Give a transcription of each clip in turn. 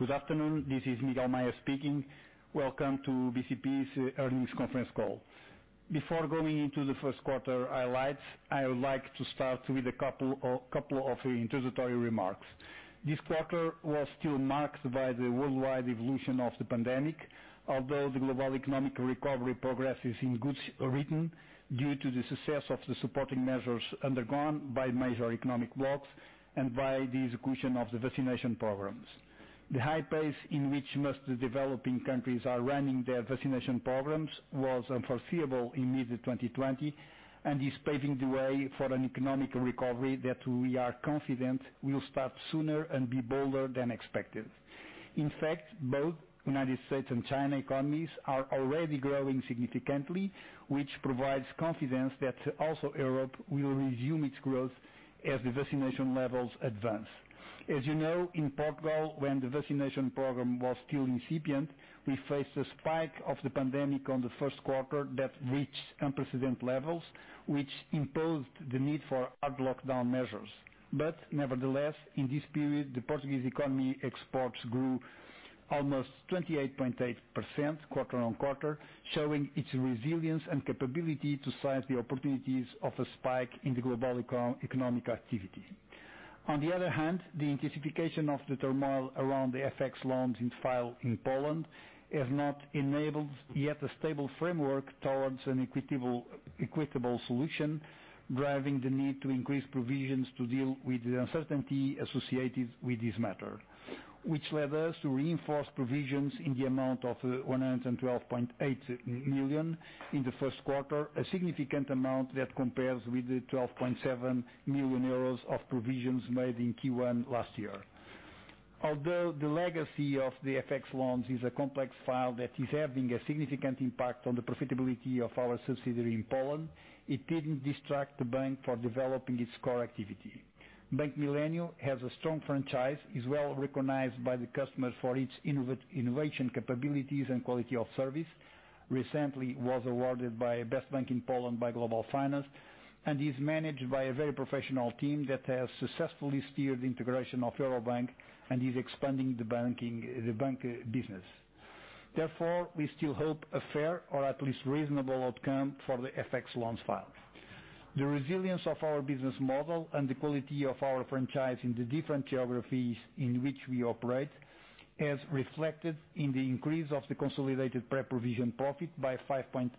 Good afternoon. This is Miguel Maya speaking. Welcome to BCP's earnings conference call. Before going into the first quarter highlights, I would like to start with a couple of introductory remarks. This quarter was still marked by the worldwide evolution of the pandemic, although the global economic recovery progress is in good rhythm due to the success of the supporting measures undergone by major economic blocks and by the execution of the vaccination programs. The high pace in which most developing countries are running their vaccination programs was unforeseeable in mid-2020 and is paving the way for an economic recovery that we are confident will start sooner and be bolder than expected. In fact, both U.S. and China economies are already growing significantly, which provides confidence that also Europe will resume its growth as the vaccination levels advance. As you know, in Portugal, when the vaccination program was still incipient, we faced a spike of the pandemic in the first quarter that reached unprecedented levels, which imposed the need for hard lockdown measures. Nevertheless, in this period, the Portuguese economy exports grew almost 28.8% quarter-on-quarter, showing its resilience and capability to seize the opportunities of a spike in the global economic activity. On the other hand, the intensification of the turmoil around the FX loans on file in Poland has not enabled yet a stable framework towards an equitable solution, driving the need to increase provisions to deal with the uncertainty associated with this matter. Which led us to reinforce provisions in the amount of 112.8 million in the first quarter, a significant amount that compares with the 12.7 million euros of provisions made in Q1 last year. Although the legacy of the FX loans is a complex file that is having a significant impact on the profitability of our subsidiary in Poland, it didn't distract the bank from developing its core activity. Bank Millennium has a strong franchise, is well-recognized by the customers for its innovation capabilities and quality of service, recently was awarded by Best Bank in Poland by Global Finance, and is managed by a very professional team that has successfully steered the integration of Euro Bank and is expanding the bank business. We still hope a fair or at least reasonable outcome for the FX loans file. The resilience of our business model and the quality of our franchise in the different geographies in which we operate is reflected in the increase of the consolidated pre-provision profit by 5.8%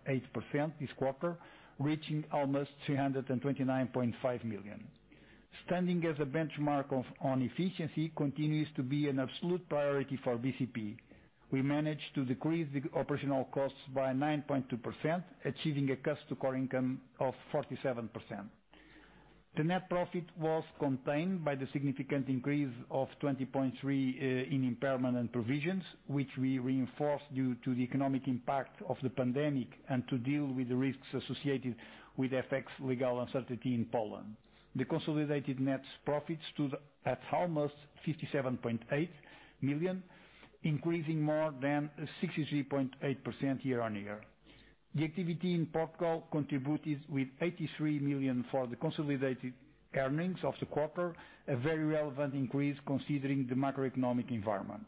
this quarter, reaching almost 329.5 million. Standing as a benchmark on efficiency continues to be an absolute priority for BCP. We managed to decrease the operational costs by 9.2%, achieving a cost-to-core income of 47%. The net profit was contained by the significant increase of 20.3% in impairment provisions, which we reinforced due to the economic impact of the pandemic and to deal with the risks associated with FX legal uncertainty in Poland. The consolidated net profits stood at almost 57.8 million, increasing more than 63.8% year-over-year. The activity in Portugal contributed with 83 million for the consolidated earnings of the quarter, a very relevant increase considering the macroeconomic environment.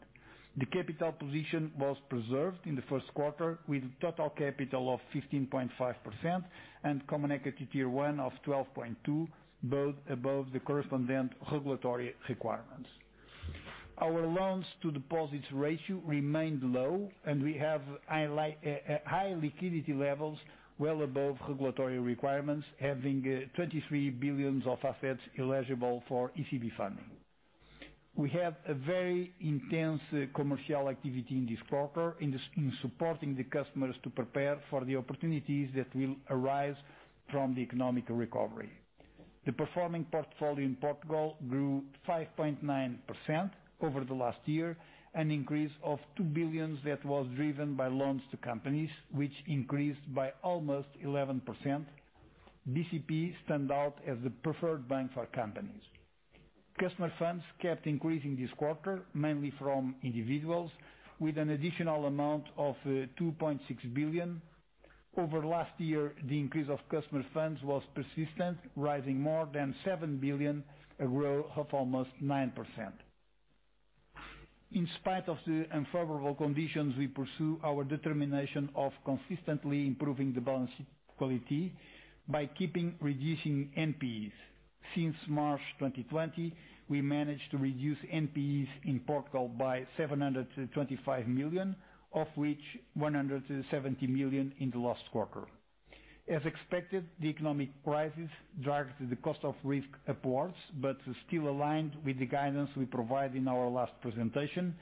The capital position was preserved in the first quarter with a total capital of 15.5% and Common Equity Tier 1 of 12.2%, both above the correspondent regulatory requirements. Our loans to deposits ratio remained low. We have high liquidity levels well above regulatory requirements, having 23 billion of assets eligible for ECB funding. We had a very intense commercial activity in this quarter in supporting the customers to prepare for the opportunities that will arise from the economic recovery. The performing portfolio in Portugal grew 5.9% over the last year, an increase of 2 billion that was driven by loans to companies, which increased by almost 11%. BCP stood out as the preferred bank for companies. Customer funds kept increasing this quarter, mainly from individuals, with an additional amount of 2.6 billion. Over last year, the increase of customer funds was persistent, rising more than 7 billion, a growth of almost 9%. In spite of the unfavorable conditions, we pursue our determination of consistently improving the balance sheet quality by keeping reducing NPEs. Since March 2020, we managed to reduce NPEs in Portugal by 725 million, of which 170 million in the last quarter. As expected, the cost of risk drives upwards, but still aligned with the guidance we provide in our last presentation,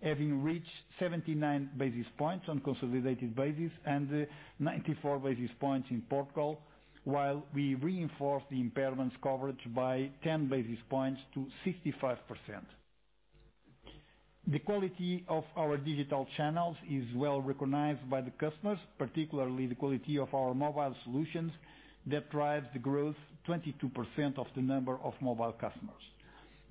having reached 79 basis points on consolidated basis and 94 basis points in Portugal, while we reinforce the impairment coverage by 10 basis points to 65%. The quality of our digital channels is well-recognized by the customers, particularly the quality of our mobile solutions that drives the growth 22% of the number of mobile customers.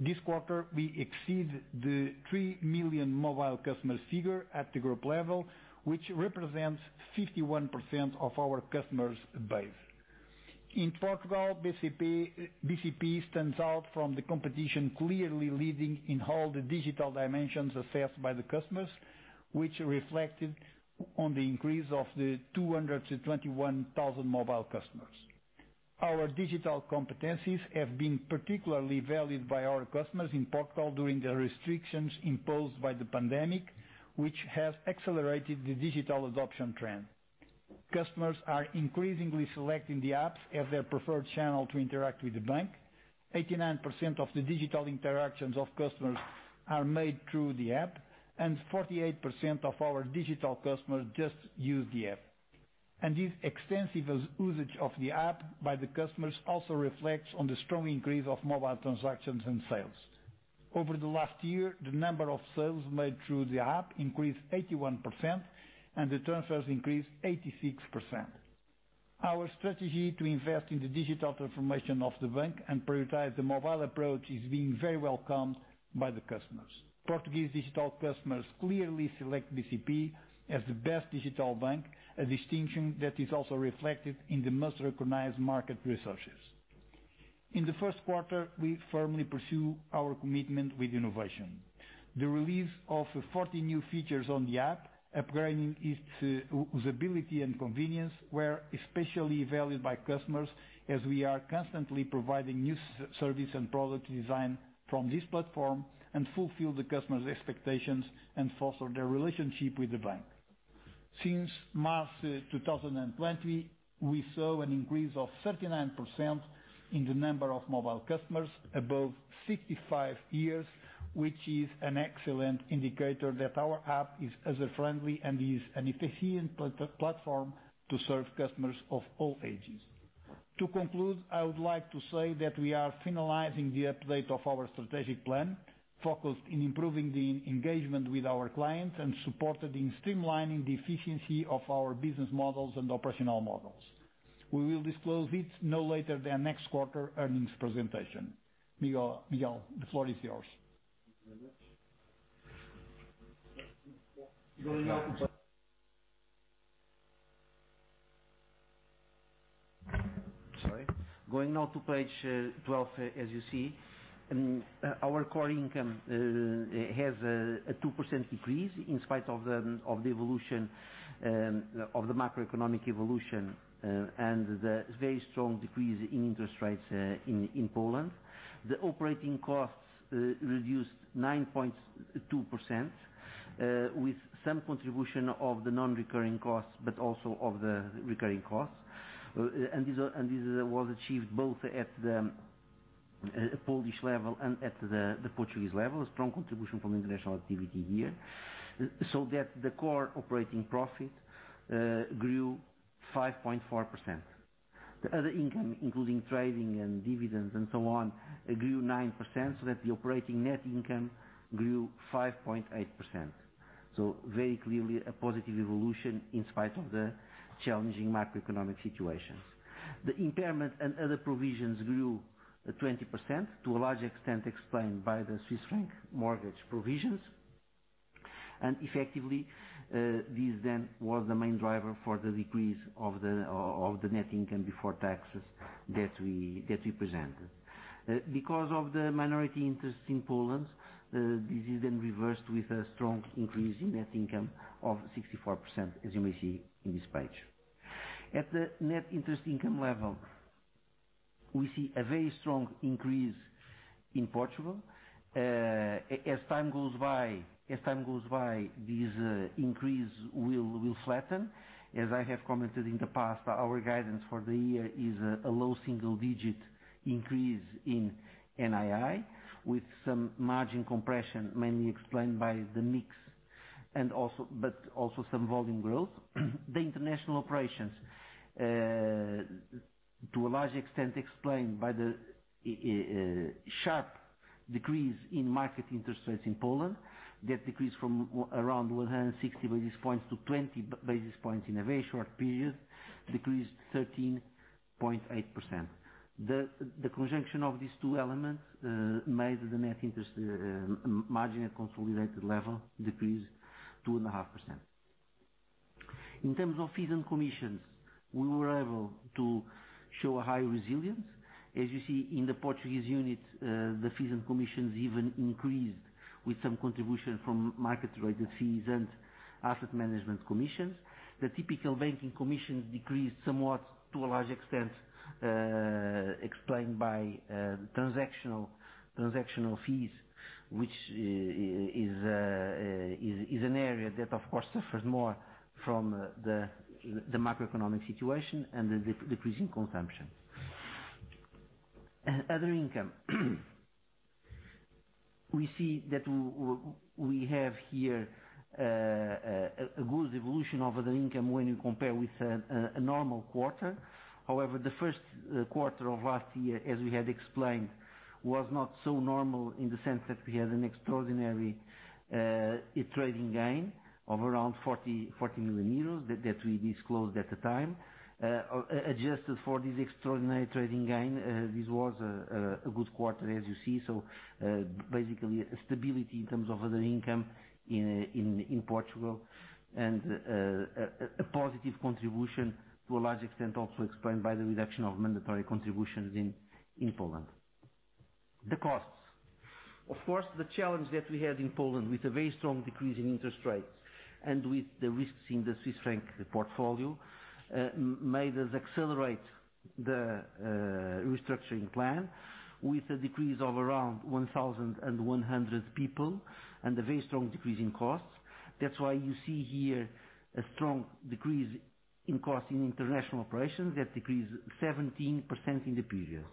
This quarter, we exceed the three million mobile customers figure at the group level, which represents 51% of our customer base. In Portugal, BCP stands out from the competition, clearly leading in all the digital dimensions assessed by the customers, which reflected on the increase of the 221,000 mobile customers. Our digital competencies have been particularly valued by our customers in Portugal during the restrictions imposed by the pandemic, which has accelerated the digital adoption trend. Customers are increasingly selecting the apps as their preferred channel to interact with the bank. 89% of the digital interactions of customers are made through the app, and 48% of our digital customers just use the app. This extensive usage of the app by the customers also reflects on the strong increase of mobile transactions and sales. Over the last year, the number of sales made through the app increased 81% and the transfers increased 86%. Our strategy to invest in the digital transformation of the bank and prioritize the mobile approach is being very welcomed by the customers. Portuguese digital customers clearly select BCP as the best digital bank, a distinction that is also reflected in the most recognized market researches. In the first quarter, we firmly pursue our commitment with innovation. The release of 40 new features on the app, upgrading its usability and convenience, were especially valued by customers as we are constantly providing new service and product design from this platform and fulfill the customer's expectations and foster their relationship with the bank. Since March 2020, we saw an increase of 39% in the number of mobile customers above 65 years, which is an excellent indicator that our app is user-friendly and is an efficient platform to serve customers of all ages. To conclude, I would like to say that we are finalizing the update of our strategic plan, focused in improving the engagement with our clients and supported in streamlining the efficiency of our business models and operational models. We will disclose it no later than next quarter earnings presentation. Miguel, the floor is yours. Thank you very much. Going on to page 12, as you see, our core income has a 2% decrease in spite of the macroeconomic evolution and the very strong decrease in interest rates in Poland. The operating costs reduced 9.2%, with some contribution of the non-recurring costs, but also of the recurring costs. This was achieved both at the Polish level and at the Portuguese level, a strong contribution from international activity here. The core operating profit grew 5.4%. The other income, including trading and dividends and so on, grew 9%, the operating net income grew 5.8%. Very clearly a positive evolution in spite of the challenging macroeconomic situations. The impairment and other provisions grew 20%, to a large extent explained by the Swiss franc mortgage provisions. Effectively, this then was the main driver for the decrease of the net income before taxes that we presented. Because of the minority interest in Poland, this is then reversed with a strong increase in net income of 64%, as you may see in this page. At the net interest income level, we see a very strong increase in Portugal. As time goes by, this increase will flatten. As I have commented in the past, our guidance for the year is a low single-digit increase in NII, with some margin compression mainly explained by the mix but also some volume growth. The international operations, to a large extent explained by the sharp decrease in market interest rates in Poland, that decreased from around 160 basis points-20 basis points in a very short period, decreased 13.8%. The conjunction of these two elements made the net interest margin at consolidated level decrease 2.5%. In terms of fees and commissions, we were able to show a high resilience. As you see in the Portuguese unit, the fees and commissions even increased with some contribution from market-related fees and asset management commissions. The typical banking commissions decreased somewhat to a large extent explained by transactional fees, which is an area that of course suffers more from the macroeconomic situation and the decrease in consumption. Other income. We see that we have here a good evolution of other income when you compare with a normal quarter. The first quarter of last year, as we had explained, was not so normal in the sense that we had an extraordinary trading gain of around 40 million euros that we disclosed at the time. Adjusted for this extraordinary trading gain, this was a good quarter as you see. Basically a stability in terms of other income in Portugal and a positive contribution to a large extent also explained by the reduction of mandatory contributions in Poland. The costs. Of course, the challenge that we had in Poland with a very strong decrease in interest rates and with the risks in the Swiss franc portfolio, made us accelerate the restructuring plan with a decrease of around 1,100 people and a very strong decrease in costs. That's why you see here a strong decrease in cost in international operations that decrease 17% in the period.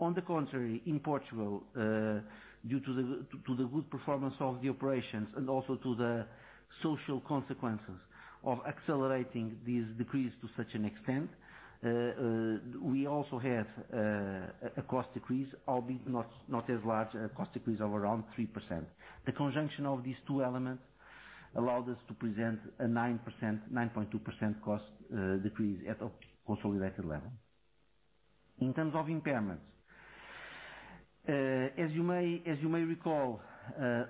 On the contrary, in Portugal, due to the good performance of the operations and also to the social consequences of accelerating this decrease to such an extent, we also had a cost decrease, albeit not as large, a cost decrease of around 3%. The conjunction of these two elements allowed us to present a 9.2% cost decrease at consolidated level. In terms of impairments. As you may recall,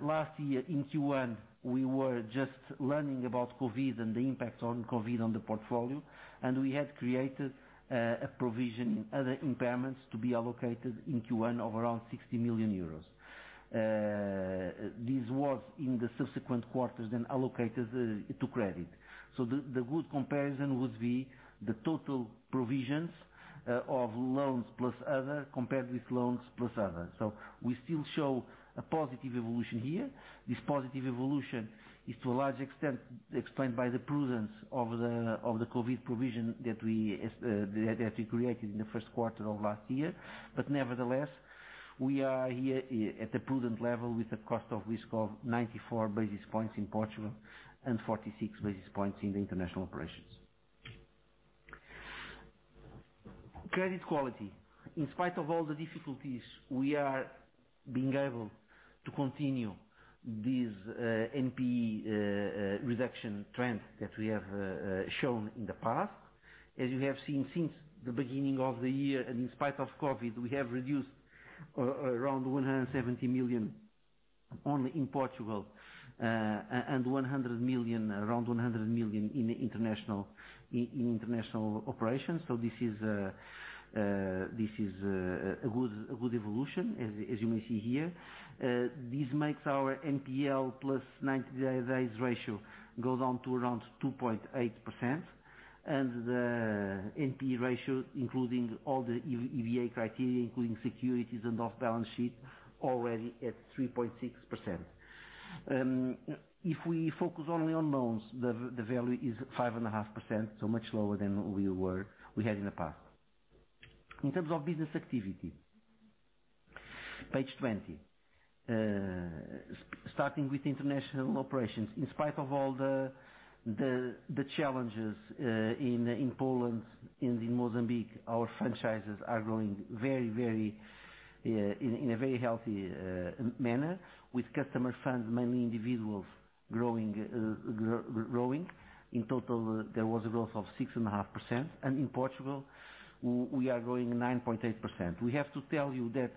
last year in Q1, we were just learning about COVID and the impact of COVID on the portfolio, and we had created a provision, other impairments to be allocated in Q1 of around 60 million euros. This was in the subsequent quarters then allocated to credit. The good comparison would be the total provisions of loans plus other compared with loans plus other. We still show a positive evolution here. This positive evolution is to a large extent explained by the prudence of the COVID provision that we created in the first quarter of last year. Nevertheless, we are here at a prudent level with a cost of risk of 94 basis points in Portugal and 46 basis points in the international operations. Credit quality. In spite of all the difficulties, we are being able to continue this NPE reduction trend that we have shown in the past. As you have seen since the beginning of the year, and in spite of COVID, we have reduced around 170 million only in Portugal and around 100 million in international operations. This is a good evolution, as you may see here. This makes our NPL plus 90-day past due ratio go down to around 2.8% and the NPE ratio, including all the EBA criteria, including securities and off-balance sheet, already at 3.6%. If we focus only on loans, the value is 5.5%, so much lower than we had in the past. In terms of business activity, page 20. Starting with international operations, in spite of all the challenges in Poland, in Mozambique, our franchises are growing in a very healthy manner with customer funds, mainly individuals growing. In total, there was a growth of 6.5%. In Portugal, we are growing at 9.8%. We have to tell you that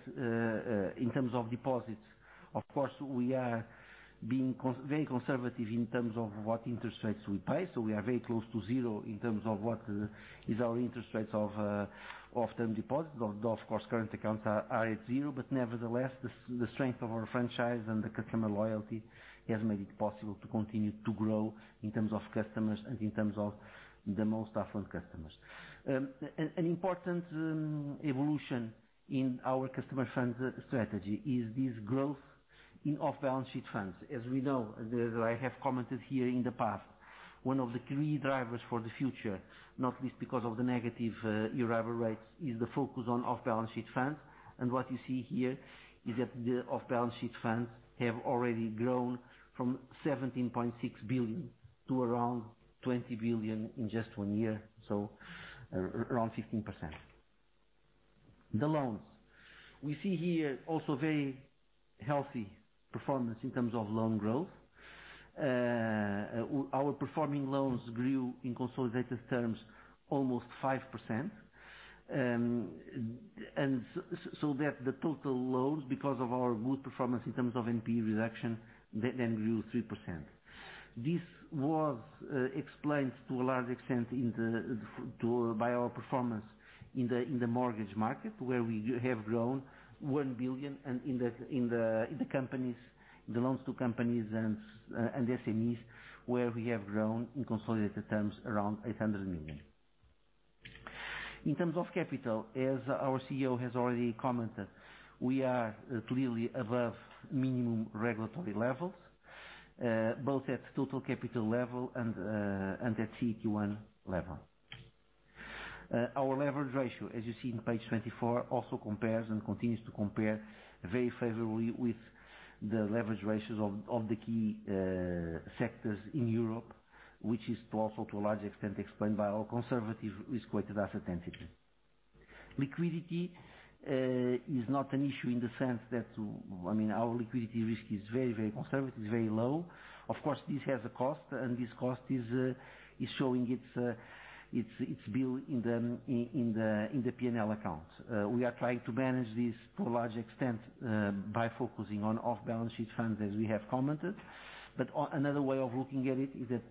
in terms of deposits, of course, we are being very conservative in terms of what interest rates we pay. We are very close to zero in terms of what is our interest rates of term deposits. Current accounts are at zero, nevertheless, the strength of our franchise and the customer loyalty has made it possible to continue to grow in terms of customers, in terms of the most affluent customers. An important evolution in our customer funds strategy is this growth in off-balance sheet funds. As I have commented here in the past, one of the key drivers for the future, not least because of the negative Euribor rates, is the focus on off-balance sheet funds. What you see here is that the off-balance sheet funds have already grown from 17.6 billion to around 20 billion in just one year, so around 15%. The loans. We see here also very healthy performance in terms of loan growth. Our performing loans grew in consolidated terms almost 5%. The total loans, because of our good performance in terms of NPE reduction, they grew 3%. This was explained to a large extent by our performance in the mortgage market, where we have grown 1 billion and in the loans to companies and SMEs, where we have grown in consolidated terms around 800 million. In terms of capital, as our CEO has already commented, we are clearly above minimum regulatory levels, both at total capital level and at CET1 level. Our leverage ratio, as you see on page 24, also compares and continues to compare very favorably with the leverage ratios of the key sectors in Europe, which is also to a large extent explained by our conservative risk-weighted asset. Liquidity is not an issue in the sense that our liquidity risk is very conservative, very low. Of course, this has a cost, and this cost is showing its bill in the P&L account. We are trying to manage this to a large extent by focusing on off-balance sheet funds, as we have commented. Another way of looking at it is that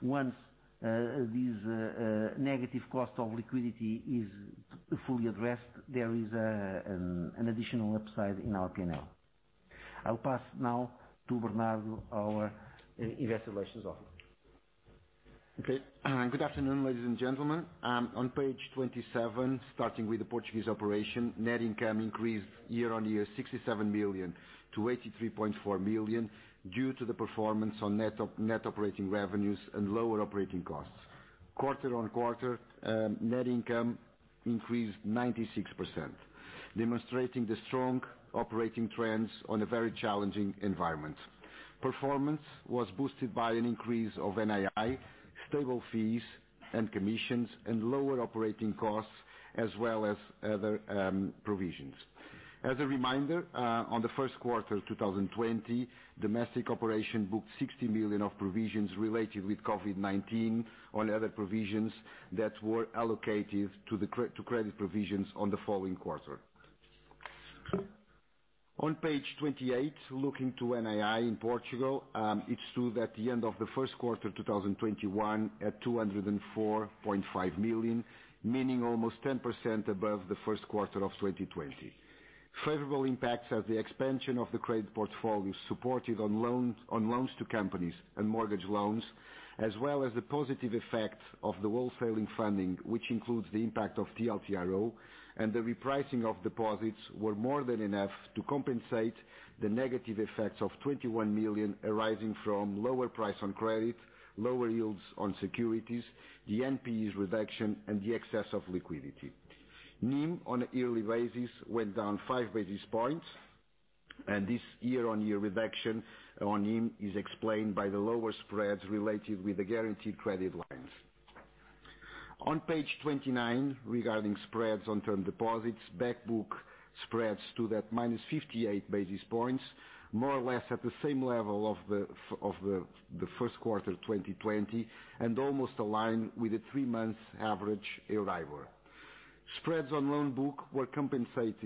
once this negative cost of liquidity is fully addressed. There is an additional upside in our P&L. I will pass now to Bernardo, our Investor Relations Officer. Good afternoon, ladies and gentlemen. On page 27, starting with the Portuguese operation, net income increased year-on-year 67 million-83.4 million due to the performance on net operating revenues and lower operating costs. Quarter-on-quarter, net income increased 96%, demonstrating the strong operating trends on a very challenging environment. Performance was boosted by an increase of NII, stable fees and commissions, and lower operating costs as well as other provisions. As a reminder, on the first quarter of 2020, domestic operation booked 60 million of provisions related with COVID-19 on other provisions that were allocated to credit provisions on the following quarter. On page 28, looking to NII in Portugal, it stood at the end of the first quarter 2021 at 204.5 million, meaning almost 10% above the first quarter of 2020. Favorable impacts are the expansion of the credit portfolio supported on loans to companies and mortgage loans, as well as the positive effect of the wholesaling funding, which includes the impact of TLTRO and the repricing of deposits were more than enough to compensate the negative effects of 21 million arising from lower price on credit, lower yields on securities, the NPEs reduction, and the excess of liquidity. NIM on a yearly basis went down 5 basis points. This year-on-year reduction on NIM is explained by the lower spreads related with the guaranteed credit lines. On page 29, regarding spreads on term deposits, back book spreads stood at -58 basis points, more or less at the same level of the first quarter 2020 and almost aligned with the three-month average Euribor. Spreads on loan book were compressed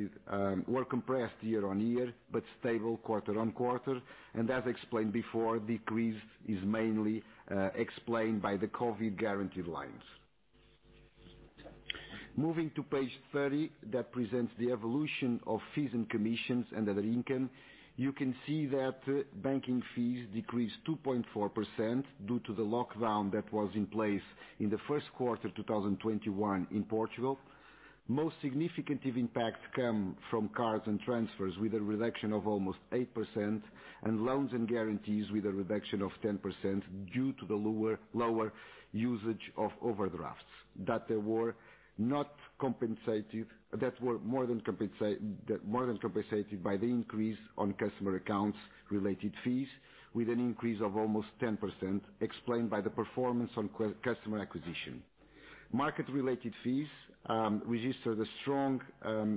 year-on-year but stable quarter-on-quarter, and as explained before, decrease is mainly explained by the COVID guaranteed lines. Moving to page 30, that presents the evolution of fees and commissions and other income. You can see that banking fees decreased 2.4% due to the lockdown that was in place in the first quarter 2021 in Portugal. Most significant impact came from cards and transfers with a reduction of almost 8% and loans and guarantees with a reduction of 10% due to the lower usage of overdrafts that were more than compensated by the increase on customer accounts related fees with an increase of almost 10% explained by the performance on customer acquisition. Market-related fees registered a strong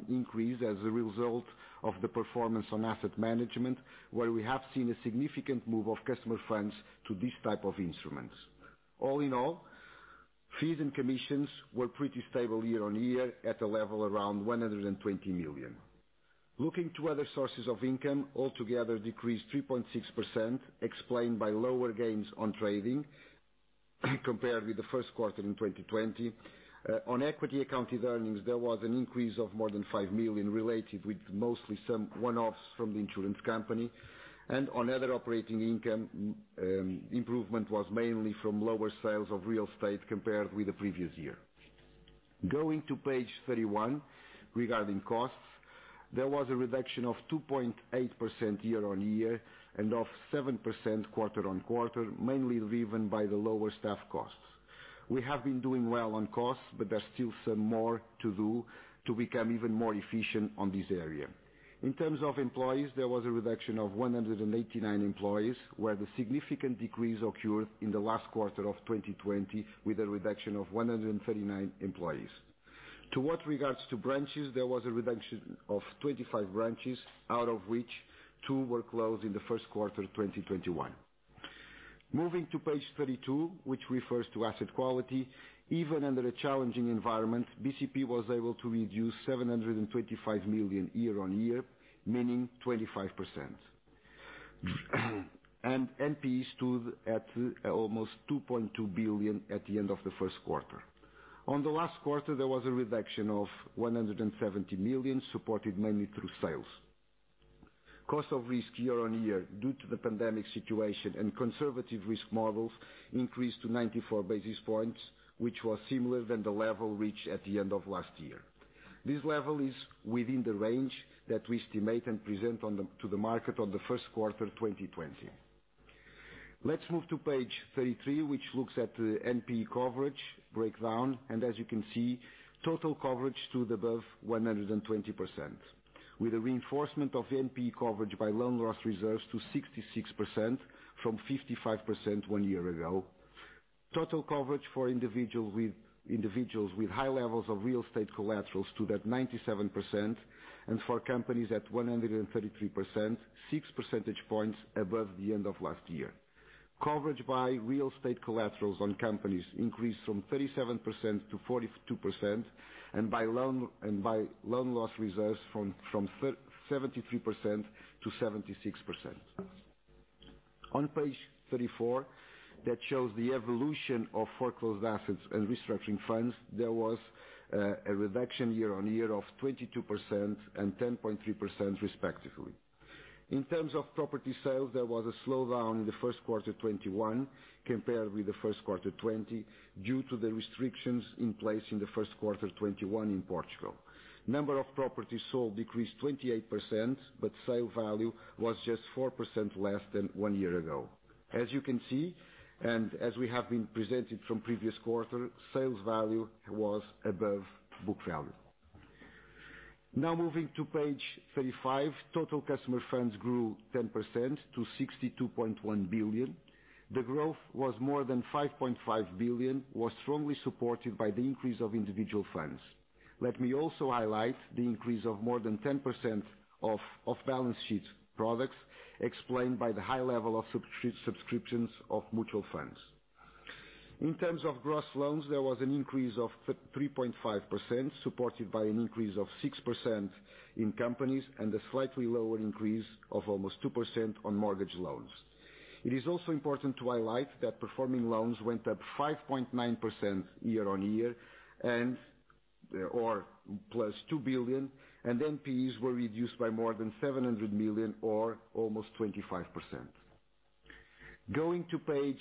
increase as a result of the performance on asset management, where we have seen a significant move of customer funds to these type of instruments. All in all, fees and commissions were pretty stable year-on-year at a level around 120 million. Looking to other sources of income, altogether decreased 3.6% explained by lower gains on trading compared with the first quarter in 2020. On equity accounted earnings, there was an increase of more than 5 million related with mostly some one-offs from the insurance company. On other operating income, improvement was mainly from lower sales of real estate compared with the previous year. Going to page 31 regarding costs, there was a reduction of 2.8% year-on-year and of 7% quarter-on-quarter, mainly driven by the lower staff costs. We have been doing well on costs, there's still some more to do to become even more efficient on this area. In terms of employees, there was a reduction of 189 employees, where the significant decrease occurred in the last quarter of 2020 with a reduction of 139 employees. To what regards to branches, there was a reduction of 25 branches, out of which two were closed in the first quarter 2021. Moving to page 32, which refers to asset quality. Even under a challenging environment, BCP was able to reduce 725 million year-over-year, meaning 25%. NPE stood at almost 2.2 billion at the end of the first quarter. On the last quarter, there was a reduction of 170 million, supported mainly through sales. Cost of risk year-on-year, due to the pandemic situation and conservative risk models, increased to 94 basis points, which was similar than the level reached at the end of last year. This level is within the range that we estimate and present to the market on the first quarter 2020. Let's move to page 33, which looks at the NPE coverage breakdown. As you can see, total coverage stood above 120%, with a reinforcement of NPE coverage by loan loss reserves to 66% from 55% one year ago. Total coverage for individuals with high levels of real estate collaterals stood at 97% and for companies at 133%, six percentage points above the end of last year. Coverage by real estate collaterals on companies increased from 37% to 42% and by loan loss reserves from 73% to 76%. On page 34, that shows the evolution of foreclosed assets and restructuring funds, there was a reduction year-on-year of 22% and 10.3% respectively. In terms of property sales, there was a slowdown in the first quarter 2021 compared with the first quarter 2020 due to the restrictions in place in the first quarter 2021 in Portugal. Number of properties sold decreased 28%, sale value was just 4% less than one year ago. As you can see, as we have been presenting from previous quarter, sales value was above book value. Moving to page 35, total customer funds grew 10% to 62.1 billion. The growth was more than 5.5 billion, was strongly supported by the increase of individual funds. Let me also highlight the increase of more than 10% of off-balance-sheet products, explained by the high level of subscriptions of mutual funds. In terms of gross loans, there was an increase of 3.5%, supported by an increase of 6% in companies and a slightly lower increase of almost 2% on mortgage loans. It is also important to highlight that performing loans went up 5.9% year-on-year, or plus 2 billion, and NPEs were reduced by more than 700 million or almost 25%. Going to page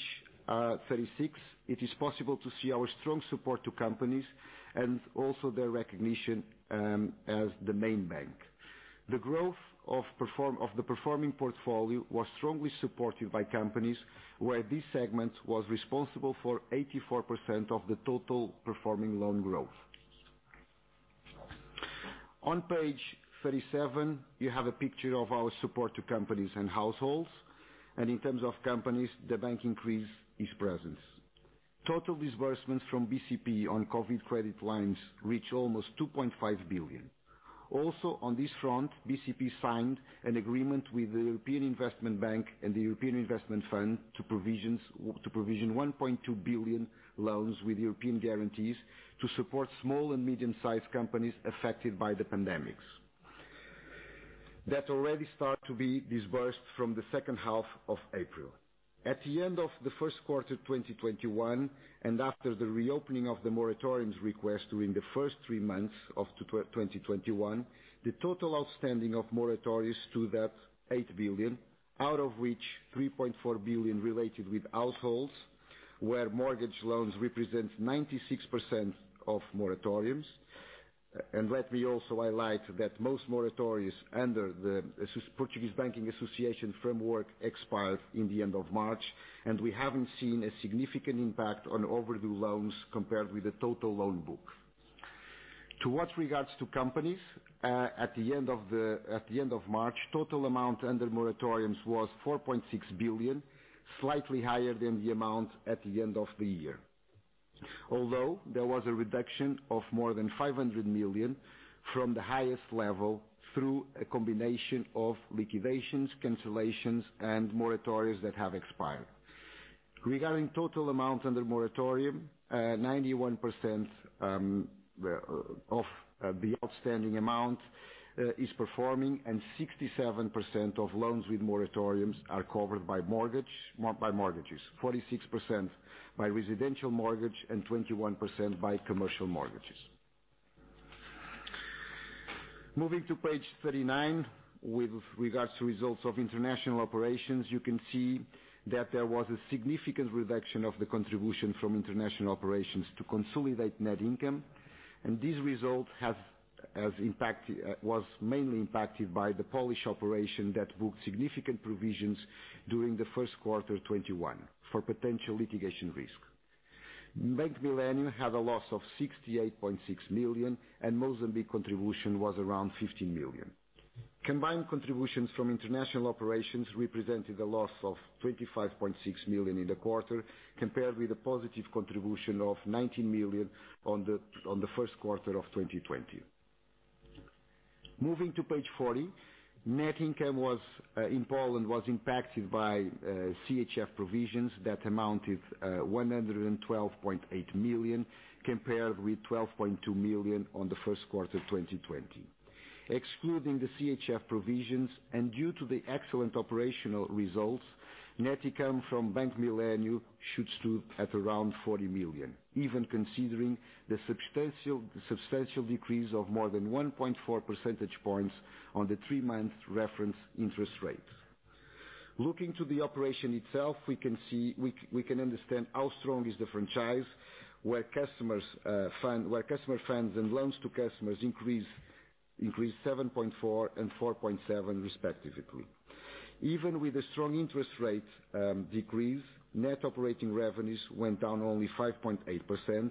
36, it is possible to see our strong support to companies and also their recognition as the main bank. The growth of the performing portfolio was strongly supported by companies, where this segment was responsible for 84% of the total performing loan growth. On page 37, you have a picture of our support to companies and households. In terms of companies, the bank increased its presence. Total disbursements from BCP on COVID credit lines reached almost 2.5 billion. Also on this front, BCP signed an agreement with the European Investment Bank and the European Investment Fund to provision 1.2 billion loans with European guarantees to support small and medium-sized companies affected by the pandemic. That already start to be disbursed from the second half of April. At the end of the first quarter of 2021, after the reopening of the moratoriums request during the first three months of 2021, the total outstanding of moratoriums stood at 8 billion, out of which 3.4 billion related with households, where mortgage loans represent 96% of moratoriums. Let me also highlight that most moratoriums under the Portuguese Banking Association framework expired in the end of March, and we haven't seen a significant impact on overdue loans compared with the total loan book. To what regards to companies, at the end of March, total amount under moratoriums was 4.6 billion, slightly higher than the amount at the end of the year. Although, there was a reduction of more than 500 million from the highest level through a combination of liquidations, cancellations, and moratoriums that have expired. Regarding total amount under moratorium, 91% of the outstanding amount is performing and 67% of loans with moratoriums are covered by mortgages, 46% by residential mortgage and 21% by commercial mortgages. Moving to page 39, with regards to results of international operations, you can see that there was a significant reduction of the contribution from international operations to consolidate net income. This result was mainly impacted by the Polish operation that booked significant provisions during the first quarter 2021 for potential litigation risk. Bank Millennium had a loss of 68.6 million. Mozambique contribution was around 50 million. Combined contributions from international operations represented a loss of 25.6 million in the quarter, compared with a positive contribution of 90 million on the first quarter of 2020. Moving to page 40, net income in Poland was impacted by CHF provisions that amounted 112.8 million compared with 12.2 million on the first quarter 2020. Excluding the CHF provisions and due to the excellent operational results, net income from Bank Millennium should stood at around 40 million, even considering the substantial decrease of more than 1.4 percentage points on the three-month reference interest rate. Looking to the operation itself, we can understand how strong is the franchise, where customer funds and loans to customers increased 7.4% and 4.7% respectively. Even with a strong interest rate decrease, net operating revenues went down only 5.8%.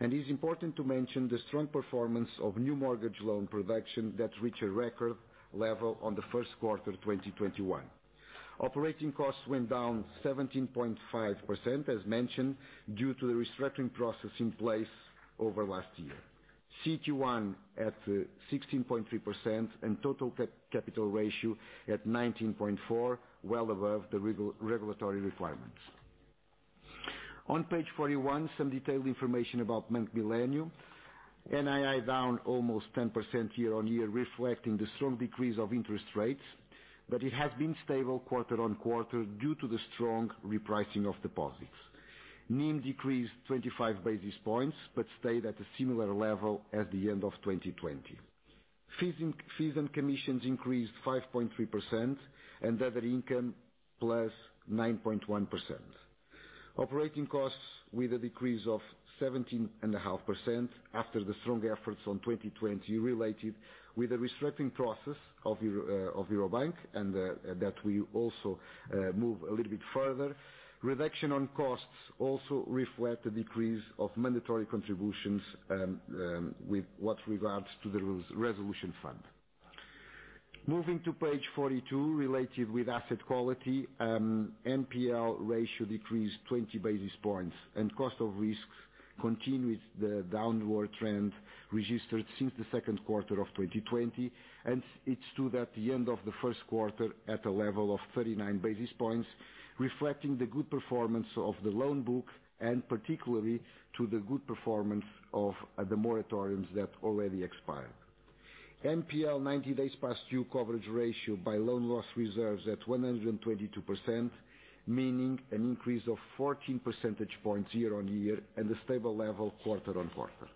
It's important to mention the strong performance of new mortgage loan production that reached a record level on the first quarter 2021. Operating costs went down 17.5%, as mentioned, due to the restructuring process in place over last year. CET1 at 16.3% and total capital ratio at 19.4%, well above the regulatory requirements. On page 41, some detailed information about Bank Millennium. NII down almost 10% year-on-year, reflecting the strong decrease of interest rates, but it has been stable quarter-on-quarter due to the strong repricing of deposits. NIM decreased 25 basis points, but stayed at a similar level at the end of 2020. Fees and commissions increased 5.3% and other income plus 9.1%. Operating costs with a decrease of 17.5% after the strong efforts on 2020 related with the restructuring process of Euro Bank and that we also move a little bit further. Reduction on costs also reflect the decrease of mandatory contributions with what regards to the resolution fund. Moving to page 42, related with asset quality, NPL ratio decreased 20 basis points and cost of risk continued the downward trend registered since the second quarter of 2020, and it stood at the end of the first quarter at a level of 39 basis points, reflecting the good performance of the loan book and particularly to the good performance of the moratoria that already expired. NPL 90 days past due coverage ratio by loan loss reserves at 122%, meaning an increase of 14 percentage points year-on-year and a stable level quarter-on-quarter.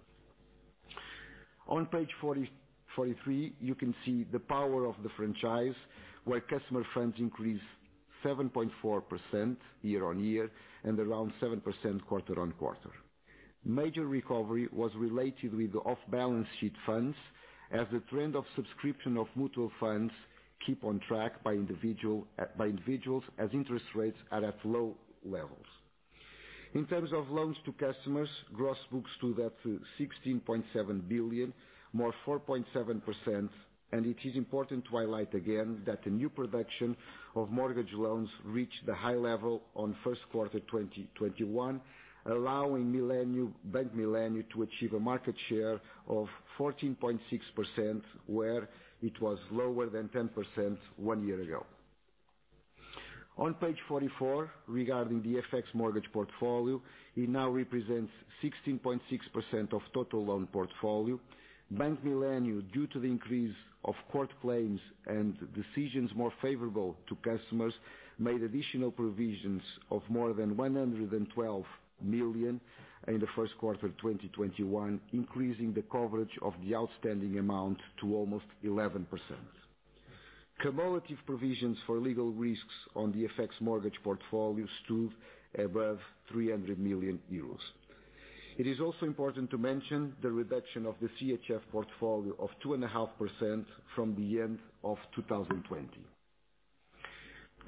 On page 43, you can see the power of the franchise, where customer funds increased 7.4% year-on-year and around 7% quarter-on-quarter. Major recovery was related with the off-balance sheet funds, as the trend of subscription of mutual funds keep on track by individuals, as interest rates are at low levels. In terms of loans to customers, gross books stood at 16.7 billion, more 4.7%. It is important to highlight again that the new production of mortgage loans reached a high level on Q1 2021, allowing Bank Millennium to achieve a market share of 14.6%, where it was lower than 10% one year ago. On page 44, regarding the FX mortgage portfolio, it now represents 16.6% of total loan portfolio. Bank Millennium, due to the increase of court claims and decisions more favorable to customers, made additional provisions of more than 112 million in Q1 2021, increasing the coverage of the outstanding amount to almost 11%. Cumulative provisions for legal risks on the FX mortgage portfolio stood above 300 million euros. It is also important to mention the reduction of the CHF portfolio of 2.5% from the end of 2020.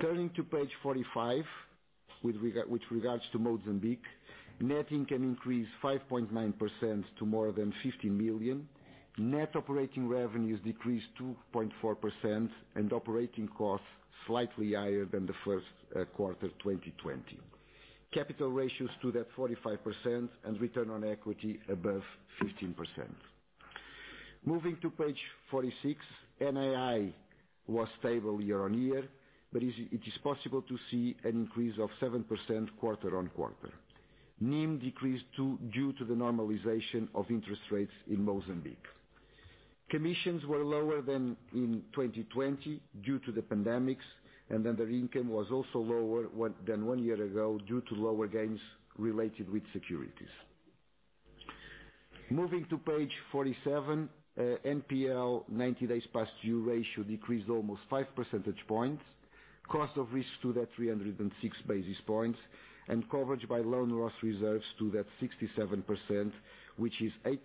Turning to page 45, with regards to Mozambique, net income increased 5.9% to more than 50 million. Net operating revenues decreased 2.4% and operating costs slightly higher than the first quarter 2020. Capital ratios stood at 45% and ROE above 15%. Moving to page 46, NII was stable year-on-year, but it is possible to see an increase of 7% quarter-on-quarter. NIM decreased too, due to the normalization of interest rates in Mozambique. Commissions were lower than in 2020 due to the pandemic, and other income was also lower than one year ago due to lower gains related with securities. Moving to page 47, NPL 90 days past due ratio decreased almost five percentage points. Cost of risk stood at 306 basis points and coverage by loan loss reserves stood at 67%, which is eight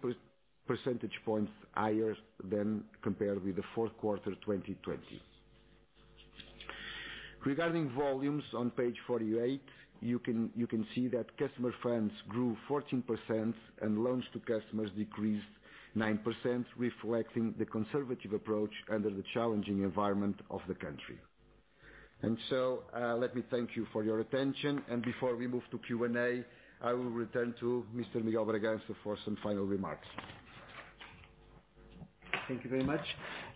percentage points higher than compared with the fourth quarter 2020. Regarding volumes on page 48, you can see that customer funds grew 14% and loans to customers decreased 9%, reflecting the conservative approach under the challenging environment of the country. Let me thank you for your attention. Before we move to Q&A, I will return to Mr. Miguel de Bragança for some final remarks. Thank you very much.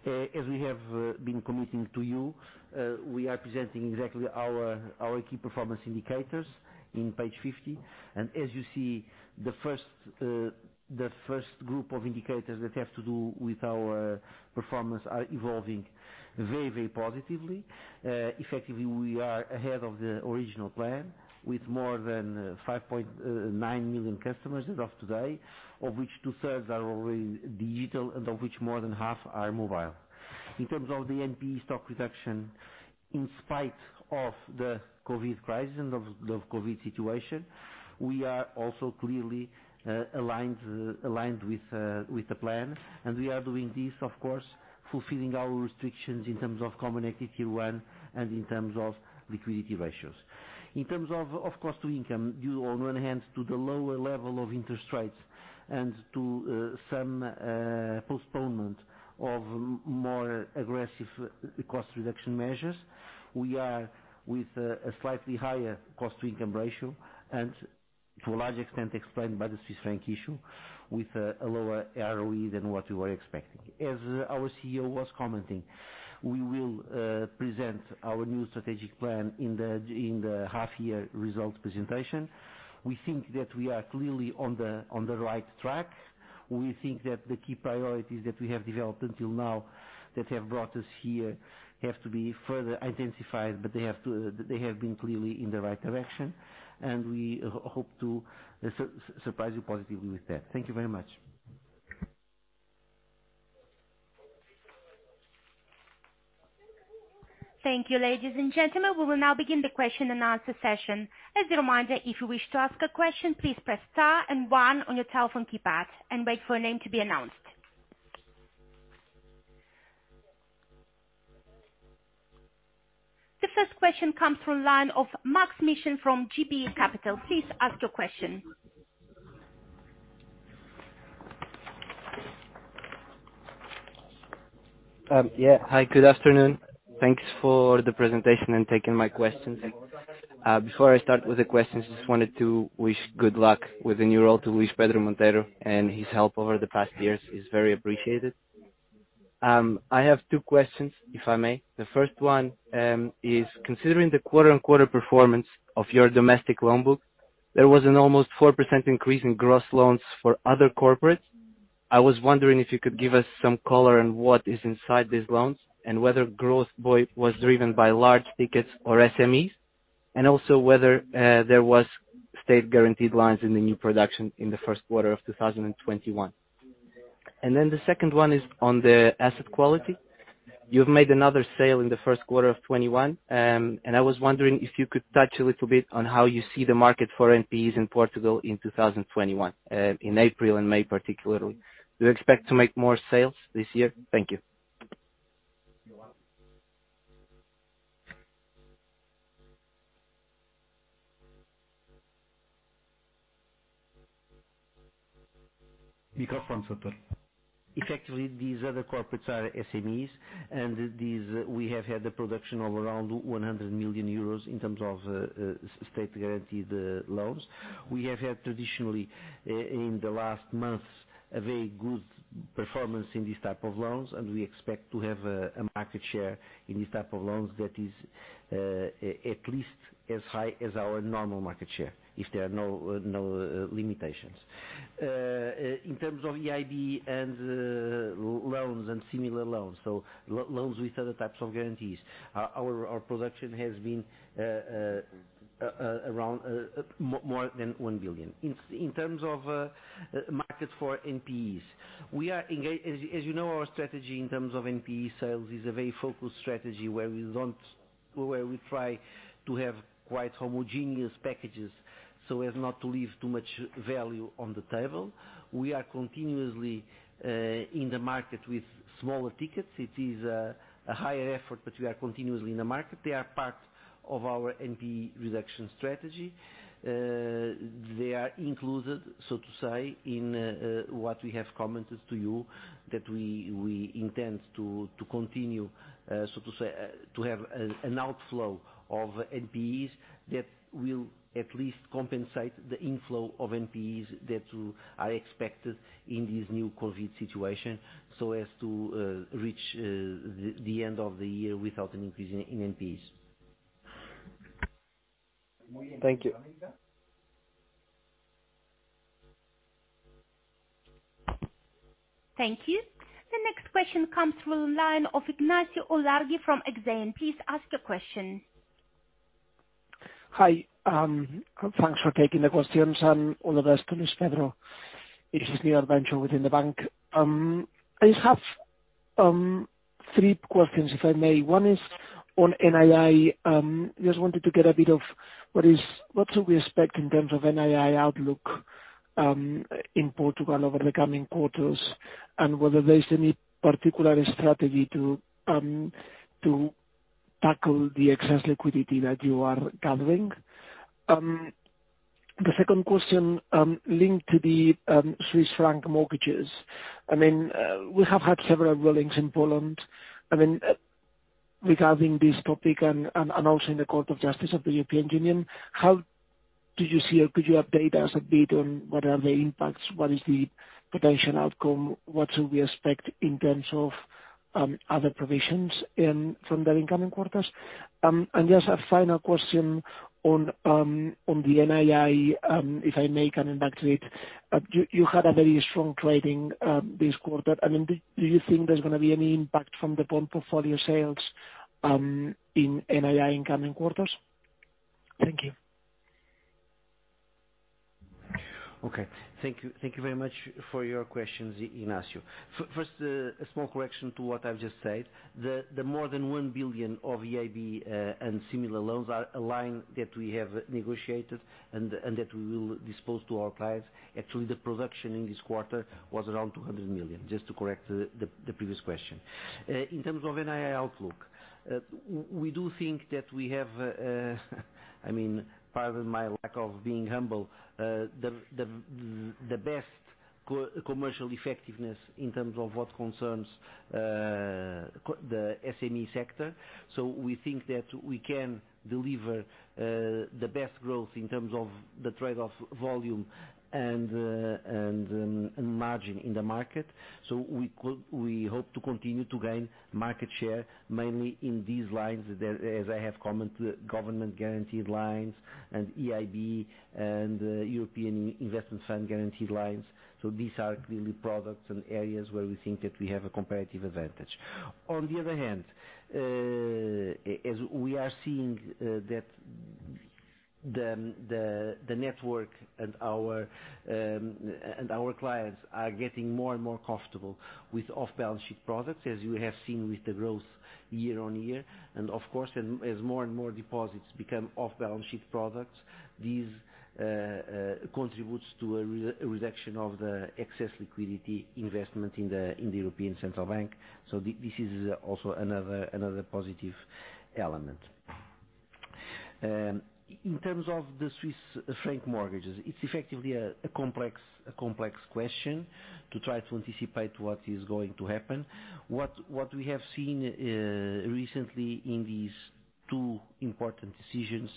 As we have been committing to you, we are presenting exactly our key performance indicators in page 50. As you see, the first group of indicators that has to do with our performance are evolving very positively. Effectively, we are ahead of the original plan with more than 5.9 million customers as of today, of which 2/3 are already digital and of which more than half are mobile. In terms of the NPE stock reduction, in spite of the COVID crisis, of the COVID situation, we are also clearly aligned with the plan. We are doing this, of course, fulfilling our restrictions in terms of Common Equity Tier 1 and in terms of liquidity ratios. In terms of cost-to-income, due on one hand to the lower level of interest rates and to some postponement of more aggressive cost reduction measures, we are with a slightly higher cost-to-income ratio and to a large extent explained by the systemic issue with a lower ROE than what we were expecting. As our CEO was commenting, we will present our new strategic plan in the half-year results presentation. We think that we are clearly on the right track We think that the key priorities that we have developed until now that have brought us here have to be further identified, but they have been clearly in the right direction, and we hope to surprise you positively with that. Thank you very much. Thank you, ladies and gentlemen. We will now begin the question-and-answer session. As a reminder, if you wish to ask a question, please press star and one on your telephone keypad and wait for your name to be announced. The first question comes from line of Maksym Mishyn from JB Capital Markets. Please ask your question. Yeah. Hi, good afternoon. Thanks for the presentation and taking my questions. Before I start with the questions, just wanted to wish good luck with the new role to Luís Pedro Monteiro and his help over the past years is very appreciated. I have two questions, if I may. The first one is, considering the quarter-on-quarter performance of your domestic loan book, there was an almost 4% increase in gross loans for other corporates. I was wondering if you could give us some color on what is inside these loans and whether growth was driven by large tickets or SMEs, and also whether there was state-guaranteed loans in the new production in the first quarter of 2021. The second one is on the asset quality. You've made another sale in Q1 2021. I was wondering if you could touch a little bit on how you see the market for NPEs in Portugal in 2021, in April and May particularly. Do you expect to make more sales this year? Thank you. Effectively, these other corporates are SMEs, and we have had a production of around 100 million euros in terms of state guaranteed loans. We have had traditionally, in the last month, a very good performance in these type of loans, and we expect to have a market share in these type of loans that is at least as high as our normal market share if there are no limitations. In terms of EIB and loans and similar loans, so loans with other types of guarantees, our production has been more than 1 billion. In terms of market for NPEs, as you know, our strategy in terms of NPE sales is a very focused strategy where we try to have quite homogeneous packages so as not to leave too much value on the table. We are continuously in the market with smaller tickets. It is a higher effort, but we are continuously in the market. They are part of our NPE reduction strategy. They are included, so to say, in what we have commented to you that we intend to continue, so to say, to have an outflow of NPEs that will at least compensate the inflow of NPEs that are expected in this new COVID situation so as to reach the end of the year without an increase in NPEs. Thank you. Thank you. The next question comes from the line of Ignacio Ulargui from Exane. Please ask your question. Hi. Thanks for taking the questions, and all the best to Luis Pedro in his new adventure within the bank. I just have three questions, if I may. One is on NII. Just wanted to get a bit of what should we expect in terms of NII outlook in Portugal over the coming quarters and whether there's any particular strategy to tackle the excess liquidity that you are handling. The second question linked to the Swiss franc mortgages. We have had several rulings in Poland regarding this topic and also in the Court of Justice of the European Union. How do you see, or could you update us a bit on what are the impacts, what is the potential outcome, what should we expect in terms of other provisions from the incoming quarters? Just a final question on the NII, if I may, coming back to it. You had a very strong trading this quarter. Do you think there's going to be any impact from the bond portfolio sales in NII in coming quarters? Thank you. Okay. Thank you very much for your questions, Ignacio. First, a small correction to what I've just said. The more than 1 billion of EIB and similar loans are a line that we have negotiated and that we will disburse to our clients. Actually, the production in this quarter was around 200 million, just to correct the previous question. In terms of NII outlook, we do think that we have, pardon my lack of being humble, the best commercial effectiveness in terms of what concerns the SME sector. We think that we can deliver the best growth in terms of the trade-off volume and margin in the market. We hope to continue to gain market share, mainly in these lines, as I have commented, government guaranteed lines and EIB and European Investment Fund guaranteed lines. These are really products and areas where we think that we have a competitive advantage. On the other hand, as we are seeing the network and our clients are getting more and more comfortable with off-balance sheet products, as you have seen with the growth year-on-year. As more and more deposits become off-balance sheet products, this contributes to a reduction of the excess liquidity investment in the European Central Bank. This is also another positive element. In terms of the Swiss franc mortgages, it's effectively a complex question to try to anticipate what is going to happen. What we have seen recently in these two important decisions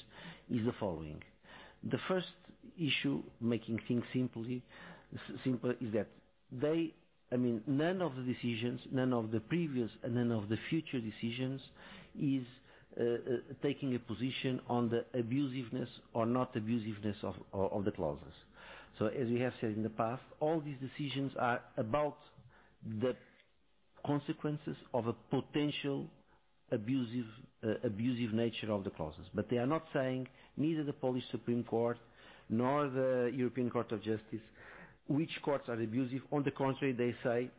is the following. The first issue, making things simple, is that none of the decisions, none of the previous and none of the future decisions, is taking a position on the abusiveness or not abusiveness of the clauses. As we have said in the past, all these decisions are about the consequences of a potential abusive nature of the clauses. They are not saying, neither the Supreme Court of Poland nor the Court of Justice of the European Union, which courts are abusive. On the contrary, they say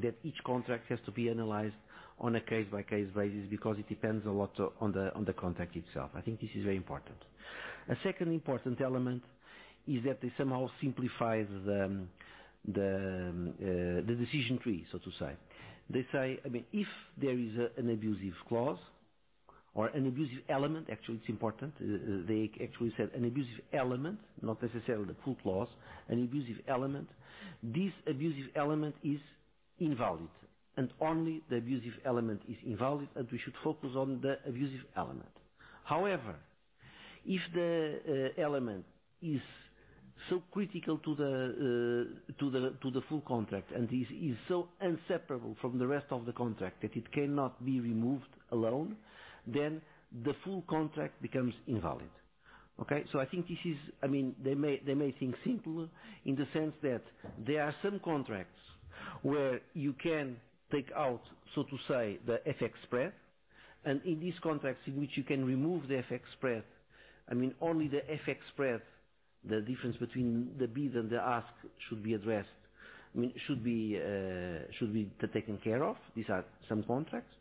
that each contract has to be analyzed on a case-by-case basis because it depends a lot on the contract itself. I think this is very important. A second important element is that they somehow simplify the decision tree, so to say. They say, if there is an abusive clause or an abusive element, actually, it's important, they actually said an abusive element, not necessarily the full clause, an abusive element, this abusive element is invalid and only the abusive element is invalid, and we should focus on the abusive element. If the element is so critical to the full contract and is so inseparable from the rest of the contract that it cannot be removed alone, then the full contract becomes invalid. Okay? I think they make things simple in the sense that there are some contracts where you can take out, so to say, the FX spread, and in these contracts in which you can remove the FX spread, only the FX spread, the difference between the bid and the ask should be taken care of. These are some contracts.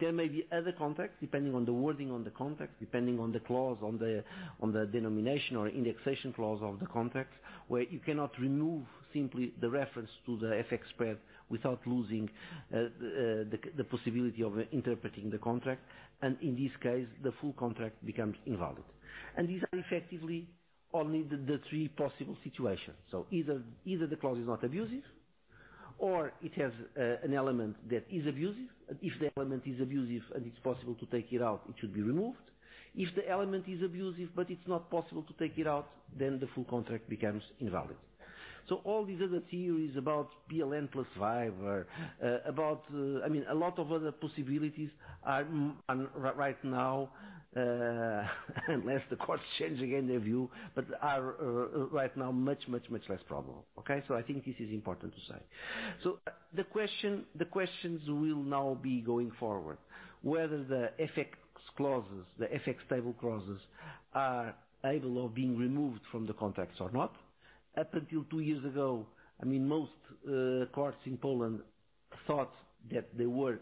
There may be other contracts, depending on the wording on the contract, depending on the clause, on the denomination or indexation clause of the contract, where you cannot remove simply the reference to the FX spread without losing the possibility of interpreting the contract, and in this case, the full contract becomes invalid. These are effectively only the three possible situations. Either the clause is not abusive, or it has an element that is abusive, and if the element is abusive and it's possible to take it out, it should be removed. If the element is abusive but it's not possible to take it out, then the full contract becomes invalid. All these other theories about PLN plus five, a lot of other possibilities, unless the courts change again their view, but are right now much less probable. Okay? I think this is important to say. The questions will now be going forward whether the FX clauses, the FX table clauses, are able of being removed from the contracts or not. Up until two years ago, most courts in Poland thought that they were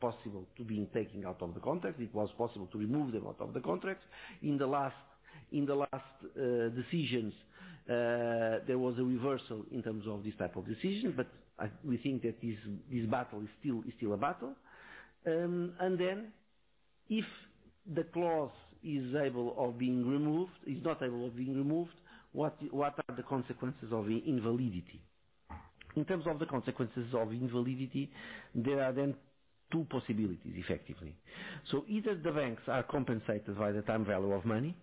possible to be taken out of the contract. It was possible to remove them out of the contracts. In the last decisions, there was a reversal in terms of this type of decision, but we think that this battle is still a battle. If the clause is not able of being removed, what are the consequences of invalidity? In terms of the consequences of invalidity, there are then two possibilities, effectively. Either the banks are compensated by the time value of money,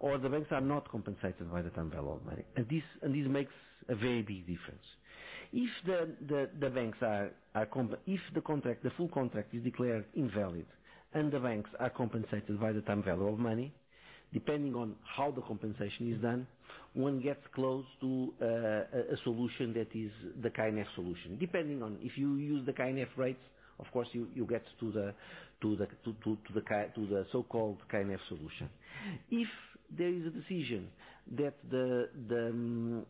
or the banks are not compensated by the time value of money. This makes a very big difference. If the full contract is declared invalid and the banks are compensated by the time value of money, depending on how the compensation is done, one gets close to a solution that is the KNF solution. Depending on if you use the KNF rates, of course, you get to the so-called KNF solution. If there is a decision that the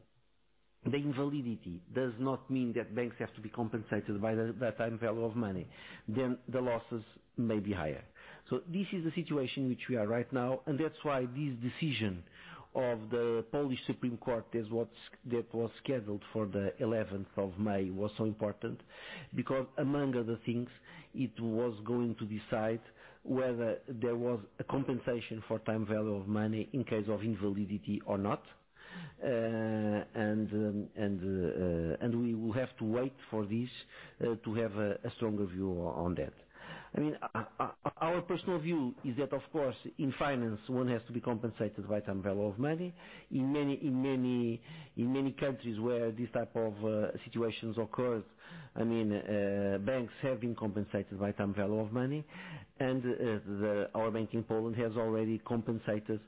invalidity does not mean that banks have to be compensated by the time value of money, then the losses may be higher. This is the situation in which we are right now, and that's why this decision of the Supreme Court of Poland that was scheduled for the 11th of May was so important, because among other things, it was going to decide whether there was a compensation for time value of money in case of invalidity or not. We will have to wait for this to have a stronger view on that. Our personal view is that, of course, in finance, one has to be compensated by time value of money. In many countries where these type of situations occurs, banks have been compensated by time value of money. Bank Millennium in Poland has already communicated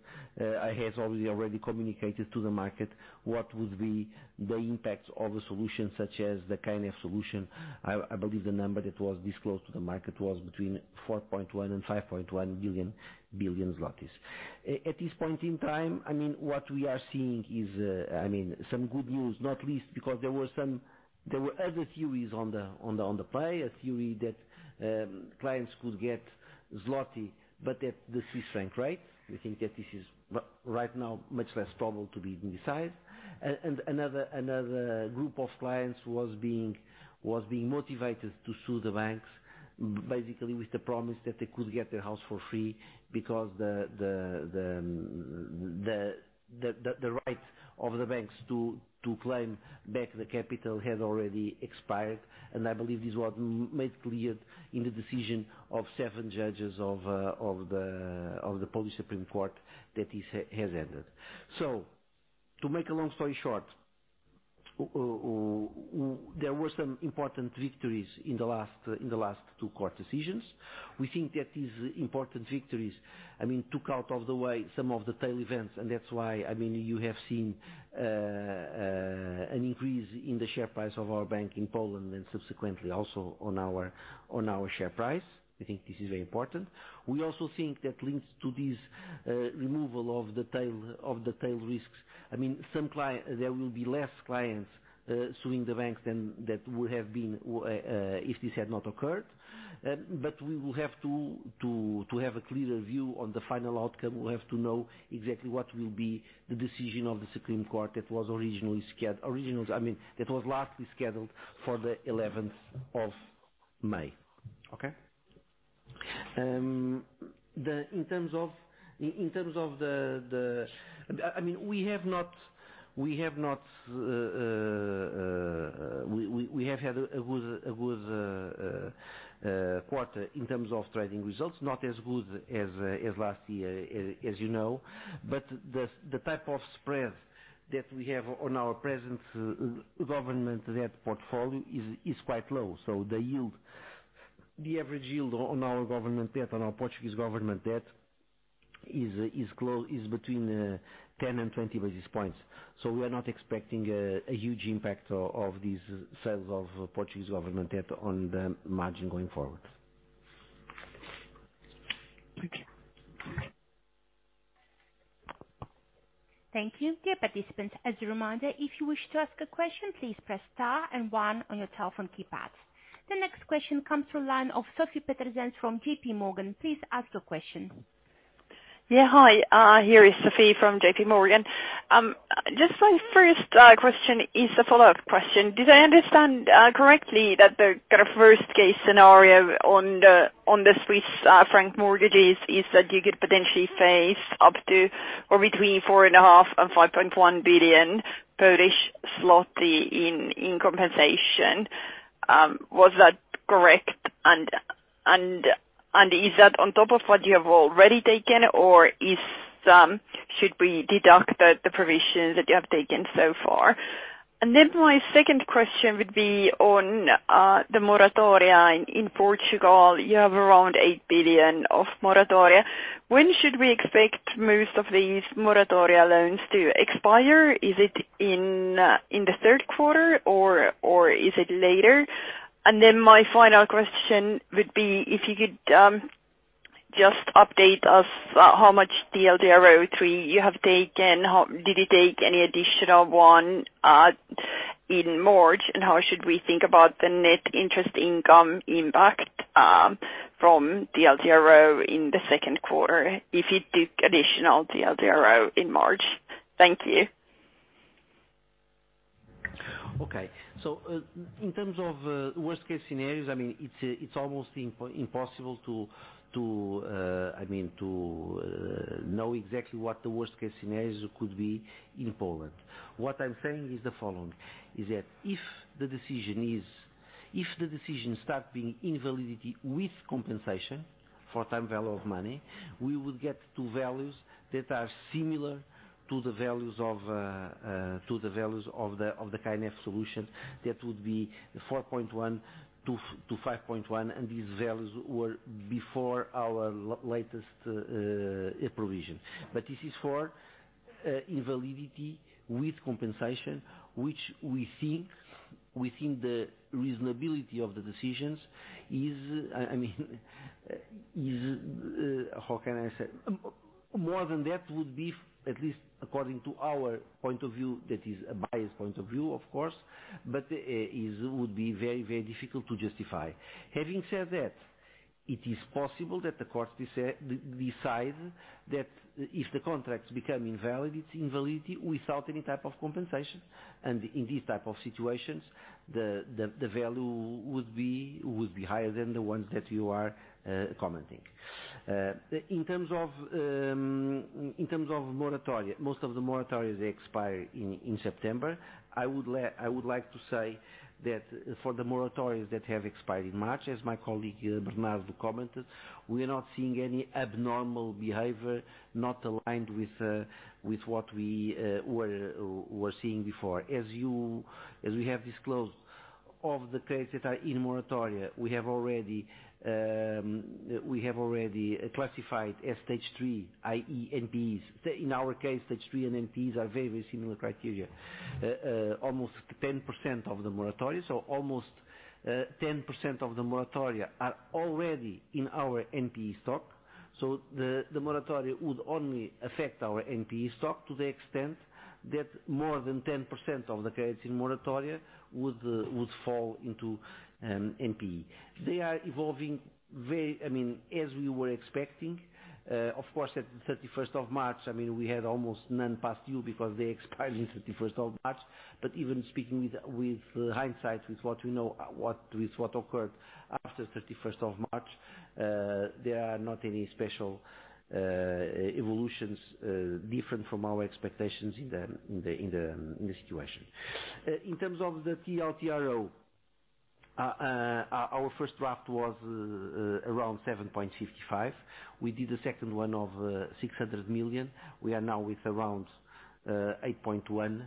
to the market what would be the impact of a solution such as the KNF solution. I believe the number that was disclosed to the market was between 4.1 billion zlotys and 5.1 billion zlotys. At this point in time, what we are seeing is some good news, not least because there were other theories on the play. A theory that clients could get zlotys but at the Swiss franc rate. We think that this is right now much less probable to be decided. Another group of clients was being motivated to sue the banks, basically with the promise that they could get their house for free because the right of the banks to claim back the capital had already expired. I believe this was made clear in the decision of seven judges of the Supreme Court of Poland that it has ended. To make a long story short, there were some important victories in the last two court decisions. We think that these important victories took out of the way some of the tail events, and that's why you have seen an increase in the share price of our bank in Poland and subsequently also on our share price. We think this is very important. We also think that links to this removal of the tail risks. There will be less clients suing the banks than that would have been if this had not occurred. To have a clearer view on the final outcome, we'll have to know exactly what will be the decision of the Supreme Court that was last scheduled for the 11th of May. Okay. We have had a good quarter in terms of trading results, not as good as last year, as you know. The type of spread that we have on our present government debt portfolio is quite low. The average yield on our Portuguese government debt is between 10 and 20 basis points. We are not expecting a huge impact of these sales of Portuguese government debt on the margin going forward. Thank you. The next question comes from the line of Sofie Peterzens from JPMorgan. Please ask your question. Hi, here is Sofie Peterzens from JPMorgan. Just my first question is a follow-up question. Did I understand correctly that the worst case scenario on the Swiss franc mortgages is that you could potentially face up to or between 4.5 billion and 5.1 billion Polish zloty in compensation? Was that correct? Is that on top of what you have already taken, or should we deduct the provisions that you have taken so far? My second question would be on the moratoria in Portugal. You have around 8 billion of moratoria. When should we expect most of these moratoria loans to expire? Is it in the third quarter or is it later? My final question would be if you could just update us how much TLTRO III you have taken. Did you take any additional one in March. How should we think about the net interest income impact from TLTRO in the second quarter if you took additional TLTRO in March? Thank you. Okay. In terms of worst case scenarios, it's almost impossible to know exactly what the worst case scenarios could be in Poland. What I'm saying is the following, is that if the decision starts being invalidity with compensation for time value of money, we will get two values that are similar to the values of the kind of solution that would be 4.1/5.1, and these values were before our latest appropriation. This is for invalidity with compensation, which we think the reasonability of the decisions is, how can I say? More than that would be, at least according to our point of view, that is a biased point of view, of course, but it would be very difficult to justify. Having said that, it is possible that the court decides that if the contract become invalid, its invalidity without any type of compensation, and in these type of situations, the value would be higher than the ones that you are commenting. In terms of moratoria, most of the moratoria expire in September. I would like to say that for the moratoria that have expired in March, as my colleague Bernardo commented, we are not seeing any abnormal behavior not aligned with what we were seeing before. As we have disclosed, of the credits that are in moratoria, we have already classified as Stage 3, i.e., NPEs. In our case, Stage 3 and NPEs are very similar criteria. Almost 10% of the moratoria are already in our NPE stock. The moratoria would only affect our NPE stock to the extent that more than 10% of the credits in moratoria would fall into NPE. They are evolving as we were expecting. Of course, at 31st of March, we had almost none past due because they expired on 31st of March. Even speaking with hindsight, with what occurred after 31st of March, there are not any special evolutions different from our expectations in the situation. In terms of the TLTRO, our first draft was around 7.55. We did a second one of 600 million. We are now with around 8.1,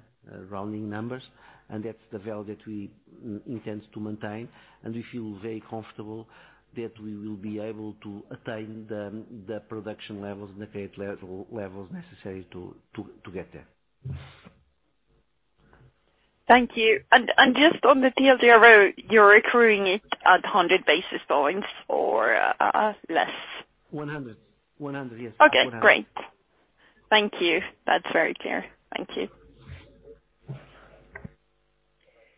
rounding numbers, and that's the value that we intend to maintain, and we feel very comfortable that we will be able to attain the production levels and the credit levels necessary to get there. Thank you. Just on the TLTRO, you're accruing it at 100 basis points or less? Yes, 100. Okay, great. Thank you. That's very clear. Thank you.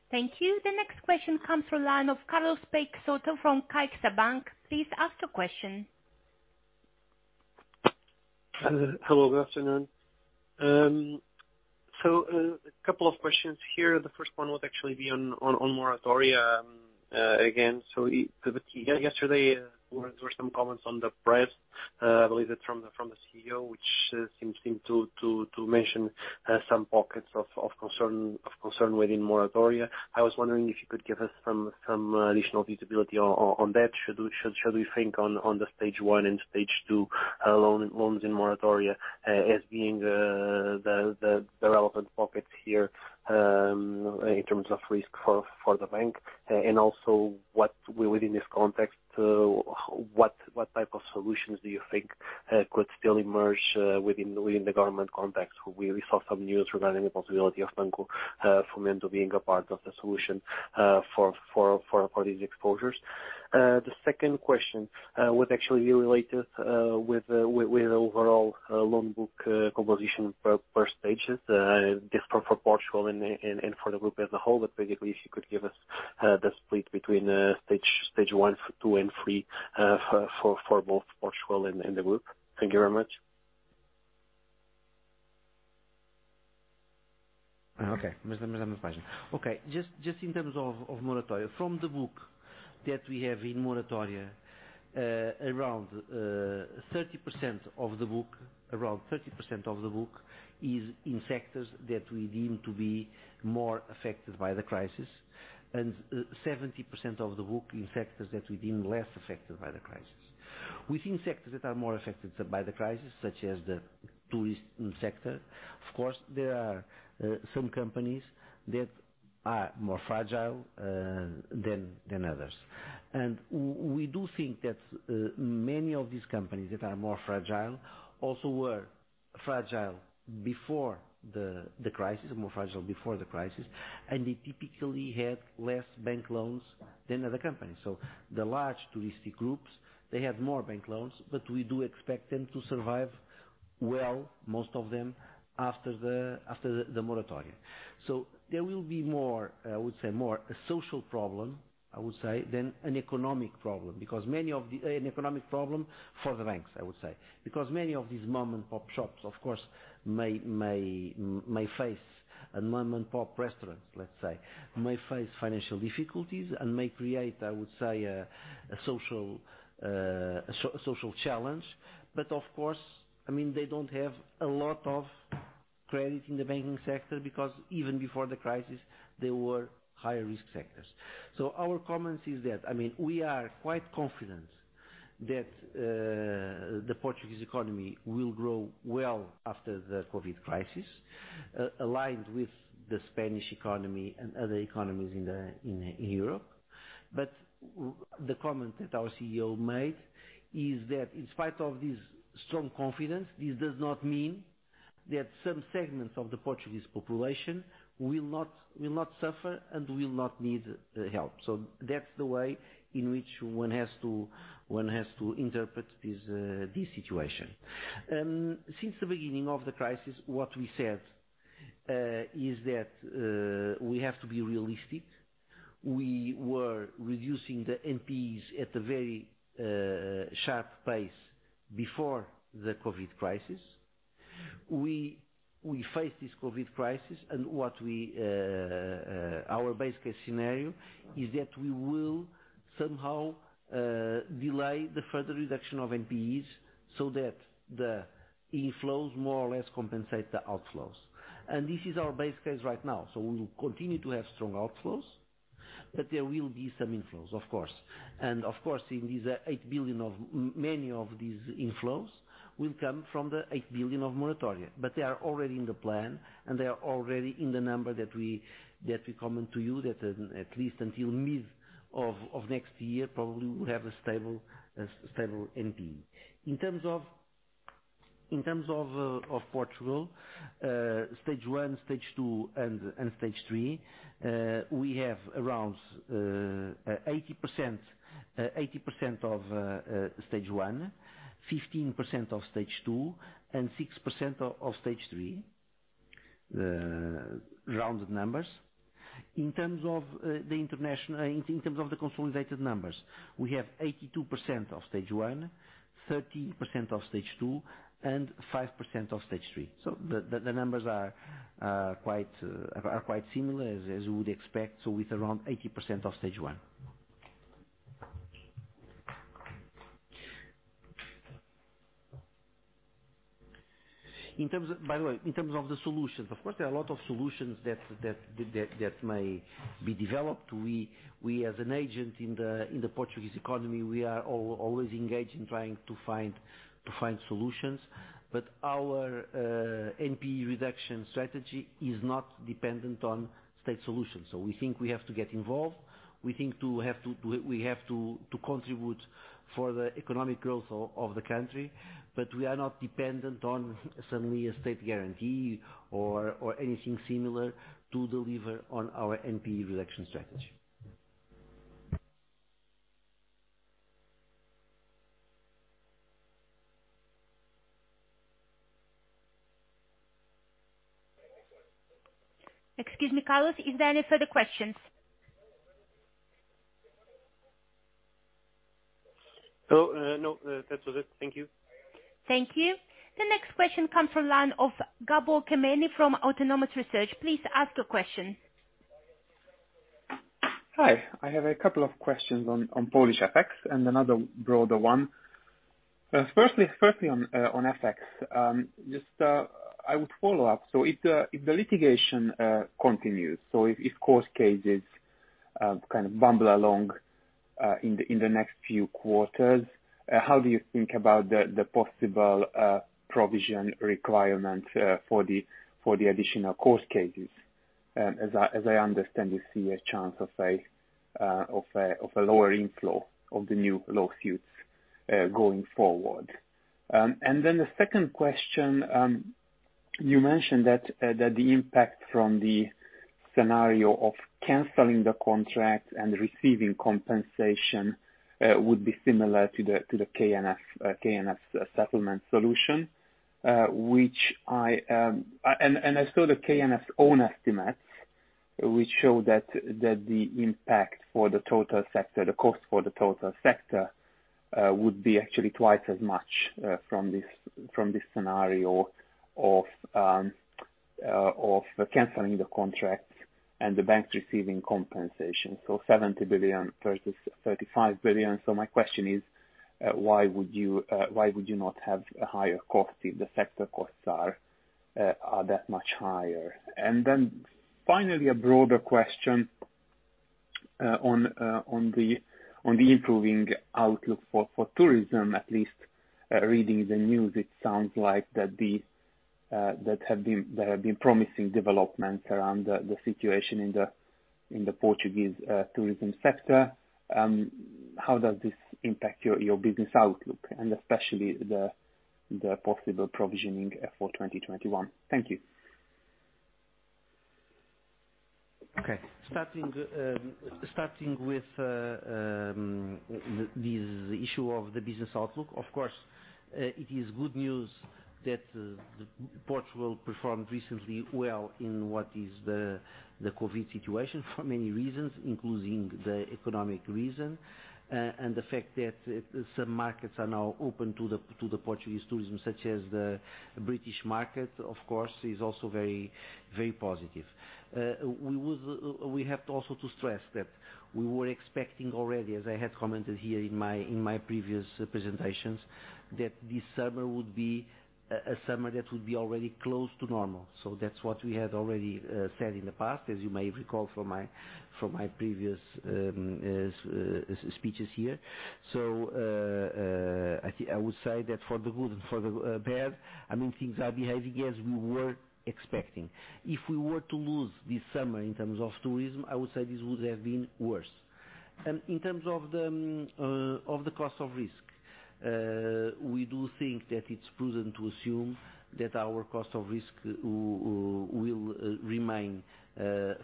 Thank you. The next question comes from the line of Carlos Peixoto from CaixaBank. Please ask the question. Hello, good afternoon. A couple of questions here. The first one would actually be on moratoria again. Yesterday there were some comments on the press, believe that from the CEO, which seems to mention some pockets of concern within moratoria. I was wondering if you could give us some additional visibility on that. Should we think on the Stage 1 and Stage 2 loans in moratoria as being the relevant pockets here in terms of risk for the bank? Also within this context, what type of solutions do you think could still emerge within the government context, where we saw some news regarding the possibility of Banco de Fomento being a part of the solution for these exposures? The second question would actually be related with overall loan book composition per stages, different for Portugal and for the group as a whole. Maybe if you could give us the split between Stage 1, Stage 2 and, Stage 3 for both Portugal and the group. Thank you very much. In terms of moratoria, from the book that we have in moratoria, around 30% of the book is in sectors that we deem to be more affected by the crisis, and 70% of the book in sectors that we deem less affected by the crisis. Within sectors that are more affected by the crisis, such as the tourism sector, of course, there are some companies that are more fragile than others. We do think that many of these companies that are more fragile also were fragile before the crisis, and they typically had less bank loans than other companies. The large touristic groups, they had more bank loans, but we do expect them to survive well, most of them, after the moratoria. There will be more, I would say, more a social problem than an economic problem for the banks, I would say. Many of these mom-and-pop shops, of course, may face and mom-and-pop restaurants, let's say, may face financial difficulties and may create, I would say, a social challenge. Of course, they don't have a lot of credit in the banking sector because even before the crisis, they were high-risk sectors. Our comment is that, we are quite confident that the Portuguese economy will grow well after the COVID crisis, aligned with the Spanish economy and other economies in Europe. The comment that our CEO made is that in spite of this strong confidence, this does not mean that some segments of the Portuguese population will not suffer and will not need help. That's the way in which one has to interpret this situation. Since the beginning of the crisis, what we said is that we have to be realistic. We were reducing the NPEs at a very sharp pace before the COVID crisis. We face this COVID crisis. Our base case scenario is that we will somehow delay the further reduction of NPEs so that the inflows more or less compensate the outflows. This is our base case right now. We will continue to have strong outflows, but there will be some inflows, of course. Of course, many of these inflows will come from the 8 billion of moratorium, but they are already in the plan, and they are already in the number that we commented to you, that at least until mid of next year, probably we have a stable NPE. In terms of Portugal, Stage 1, Stage 2, and Stage 3, we have around 80% of Stage 1, 15% of Stage 2, and 6% of Stage 3, rounded numbers. In terms of the consolidated numbers, we have 82% of Stage 1, 30% of Stage 2, and 5% of Stage 3. The numbers are quite similar as you would expect. It's around 80% of Stage 1. By the way, in terms of the solutions, of course, there are a lot of solutions that may be developed. We as an agent in the Portuguese economy, we are always engaged in trying to find solutions, but our NPE reduction strategy is not dependent on state solutions. We think we have to get involved, we think we have to contribute for the economic growth of the country, but we are not dependent on suddenly a state guarantee or anything similar to deliver on our NPE reduction strategy. Excuse me, Carlos. Is there any further questions? No, that was it. Thank you. Thank you. The next question comes from line of Gabor Kemeny from Autonomous Research. Please ask your question. Hi. I have a couple of questions on Polish FX and another broader one. Firstly on FX. Just, I would follow up. If the litigation continues, if court cases kind of bumble along in the next few quarters, how do you think about the possible provision requirement for the additional court cases? As I understand, you see a chance of a lower inflow of the new lawsuits going forward. The second question, you mentioned that the impact from the scenario of canceling the contract and receiving compensation would be similar to the KNF settlement solution. I saw the KNF own estimates, which show that the impact for the total sector, the cost for the total sector would be actually twice as much from this scenario of canceling the contract and the bank receiving compensation. 70 billion versus 35 billion. My question is, why would you not have a higher cost if the sector costs are that much higher? Finally, a broader question on the improving outlook for tourism, at least reading the news, it sounds like there have been promising developments around the situation in the Portuguese tourism sector. How does this impact your business outlook and especially the possible provisioning for 2021? Thank you. Starting with this issue of the business outlook, of course, it is good news that Portugal performed recently well in what is the COVID situation for many reasons, including the economic reason and the fact that some markets are now open to the Portuguese tourism, such as the British market, of course, is also very positive. We have also to stress that we were expecting already, as I had commented here in my previous presentations, that this summer would be a summer that would be already close to normal. That's what we had already said in the past, as you may recall from my previous speeches here. I would say that for the good and for the bad, I don't think they are behaving as we were expecting. If we were to lose this summer in terms of tourism, I would say this would have been worse. In terms of the cost of risk, we do think that it's prudent to assume that our cost of risk will remain in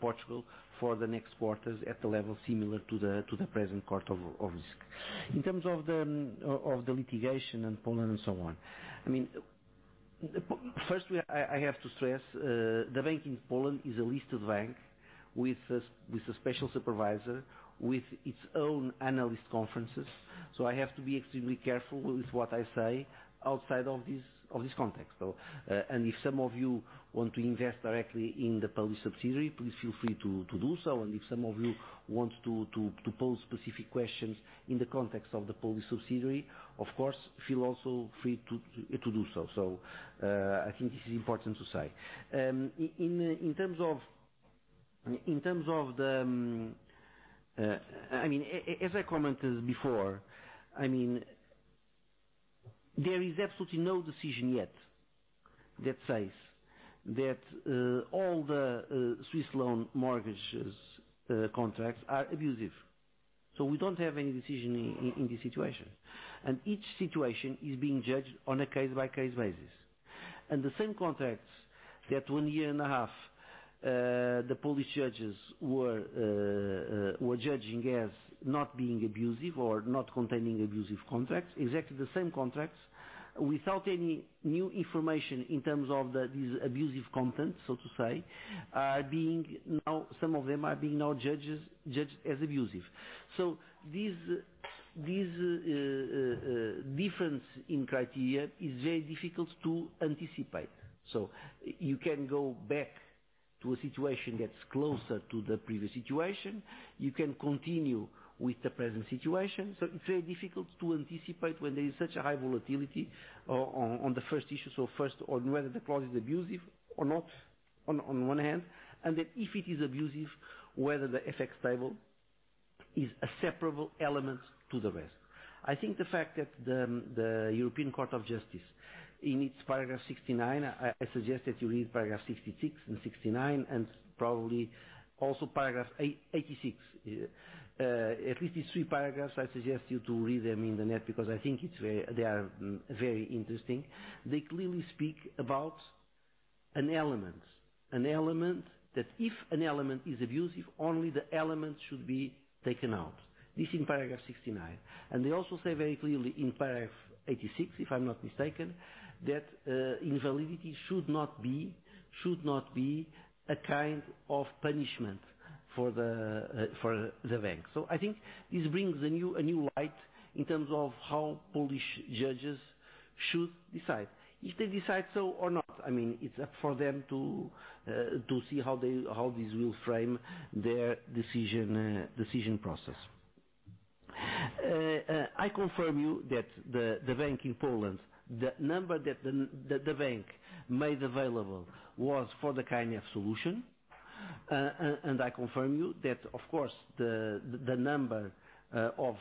Portugal for the next quarters at a level similar to the present cost of risk. In terms of the litigation in Poland and so on. Firstly, I have to stress, the bank in Poland is a listed bank with a special supervisor, with its own analyst conferences. I have to be extremely careful with what I say outside of this context. If some of you want to invest directly in the Polish subsidiary, please feel free to do so. If some of you want to pose specific questions in the context of the Polish subsidiary, of course, feel also free to do so. I think this is important to say. As I commented before, there is absolutely no decision yet that says that all the Swiss loan mortgages contracts are abusive. We don't have any decision in this situation. Each situation is being judged on a case-by-case basis. The same contracts that one year and a half, the Polish judges were judging as not being abusive or not containing abusive contracts, exactly the same contracts, without any new information in terms of that is abusive content, so to say, some of them are being now judged as abusive. This difference in criteria is very difficult to anticipate. You can go back to a situation that's closer to the previous situation. You can continue with the present situation. It's very difficult to anticipate when there is such a high volatility on the first issue. First, on whether the clause is abusive or not on one hand, and that if it is abusive, whether the FX table is a separable element to the rest. I think the fact that the European Court of Justice in its paragraph 69, I suggest that you read paragraph 66 and 69, and probably also paragraph 86. At least these three paragraphs, I suggest you to read them in the net because I think they are very interesting. They clearly speak about an element. That if an element is abusive, only the element should be taken out. This in paragraph 69. They also say very clearly in paragraph 86, if I'm not mistaken, that invalidity should not be a kind of punishment for the bank. I think this brings a new light in terms of how Polish judges should decide. If they decide so or not, it's up for them to see how this will frame their decision process. I confirm you that the bank in Poland, the number that the bank made available was for the KNF solution. I confirm you that, of course, the number of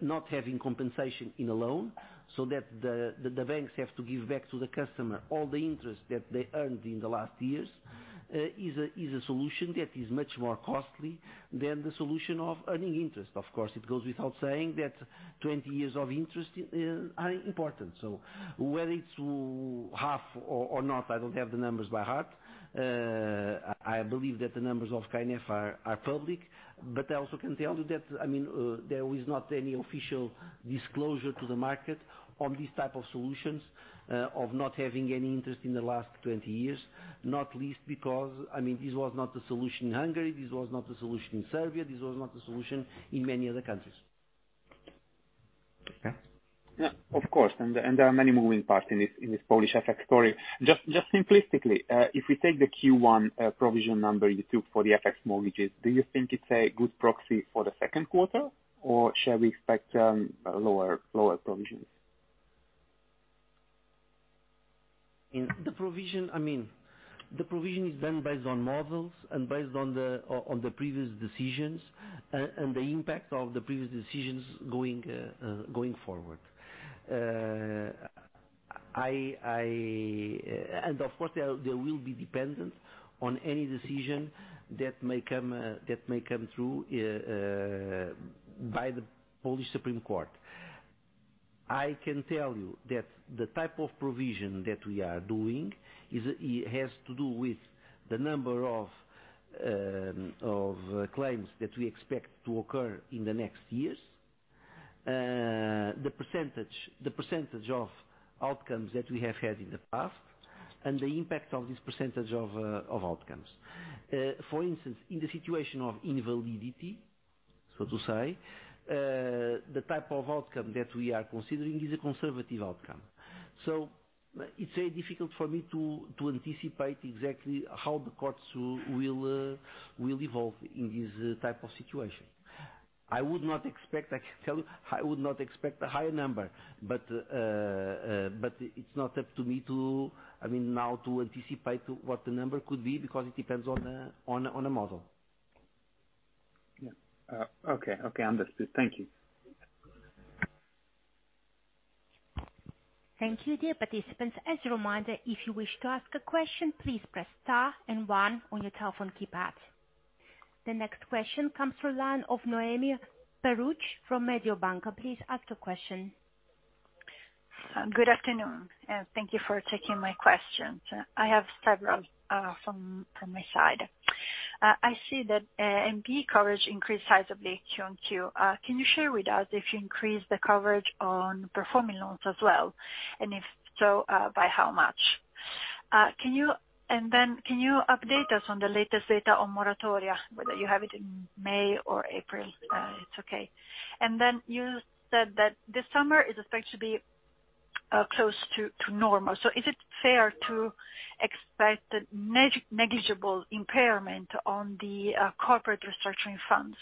not having compensation in a loan, so that the banks have to give back to the customer all the interest that they earned in the last years, is a solution that is much more costly than the solution of earning interest. Of course, it goes without saying that 20 years of interest are important. Whether it's half or not, I don't have the numbers by heart. I believe that the numbers are public. I also can tell you that there is not any official disclosure to the market on this type of solutions of not having any interest in the last 20 years, not least because this was not the solution in Hungary, this was not the solution in Serbia, this was not the solution in many other countries. Okay. Of course, there are many moving parts in this Polish FX story. Just simplistically, if we take the Q1 provision number you took for the FX mortgages, do you think it's a good proxy for the second quarter, or shall we expect lower provisions? The provision is done based on models and based on the previous decisions and the impact of the previous decisions going forward. Of course, they will be dependent on any decision that may come through by the Supreme Court of Poland. I can tell you that the type of provision that we are doing has to do with the number of claims that we expect to occur in the next years, the percentage of outcomes that we have had in the past, and the impact of this percentage of outcomes. For instance, in the situation of invalidity, so to say, the type of outcome that we are considering is a conservative outcome. It's very difficult for me to anticipate exactly how the courts will evolve in this type of situation. I would not expect a high number, but it's not up to me now to anticipate what the number could be because it depends on a model. Okay, understood. Thank you. Thank you, dear participants. As a reminder, if you wish to ask a question, please press star and one on your telephone keypad. The next question comes from the line of Noemi Peruch from Mediobanca. Please ask your question. Good afternoon. Thank you for taking my questions. I have several from my side. I see that NPE coverage increased sizably Q1, Q2. Can you share with us if you increased the coverage on performing loans as well, and if so, by how much? Can you update us on the latest data on moratoria, whether you have it in May or April? It is okay. You said that this summer is expected to be close to normal. Is it fair to expect a negligible impairment on the corporate restructuring funds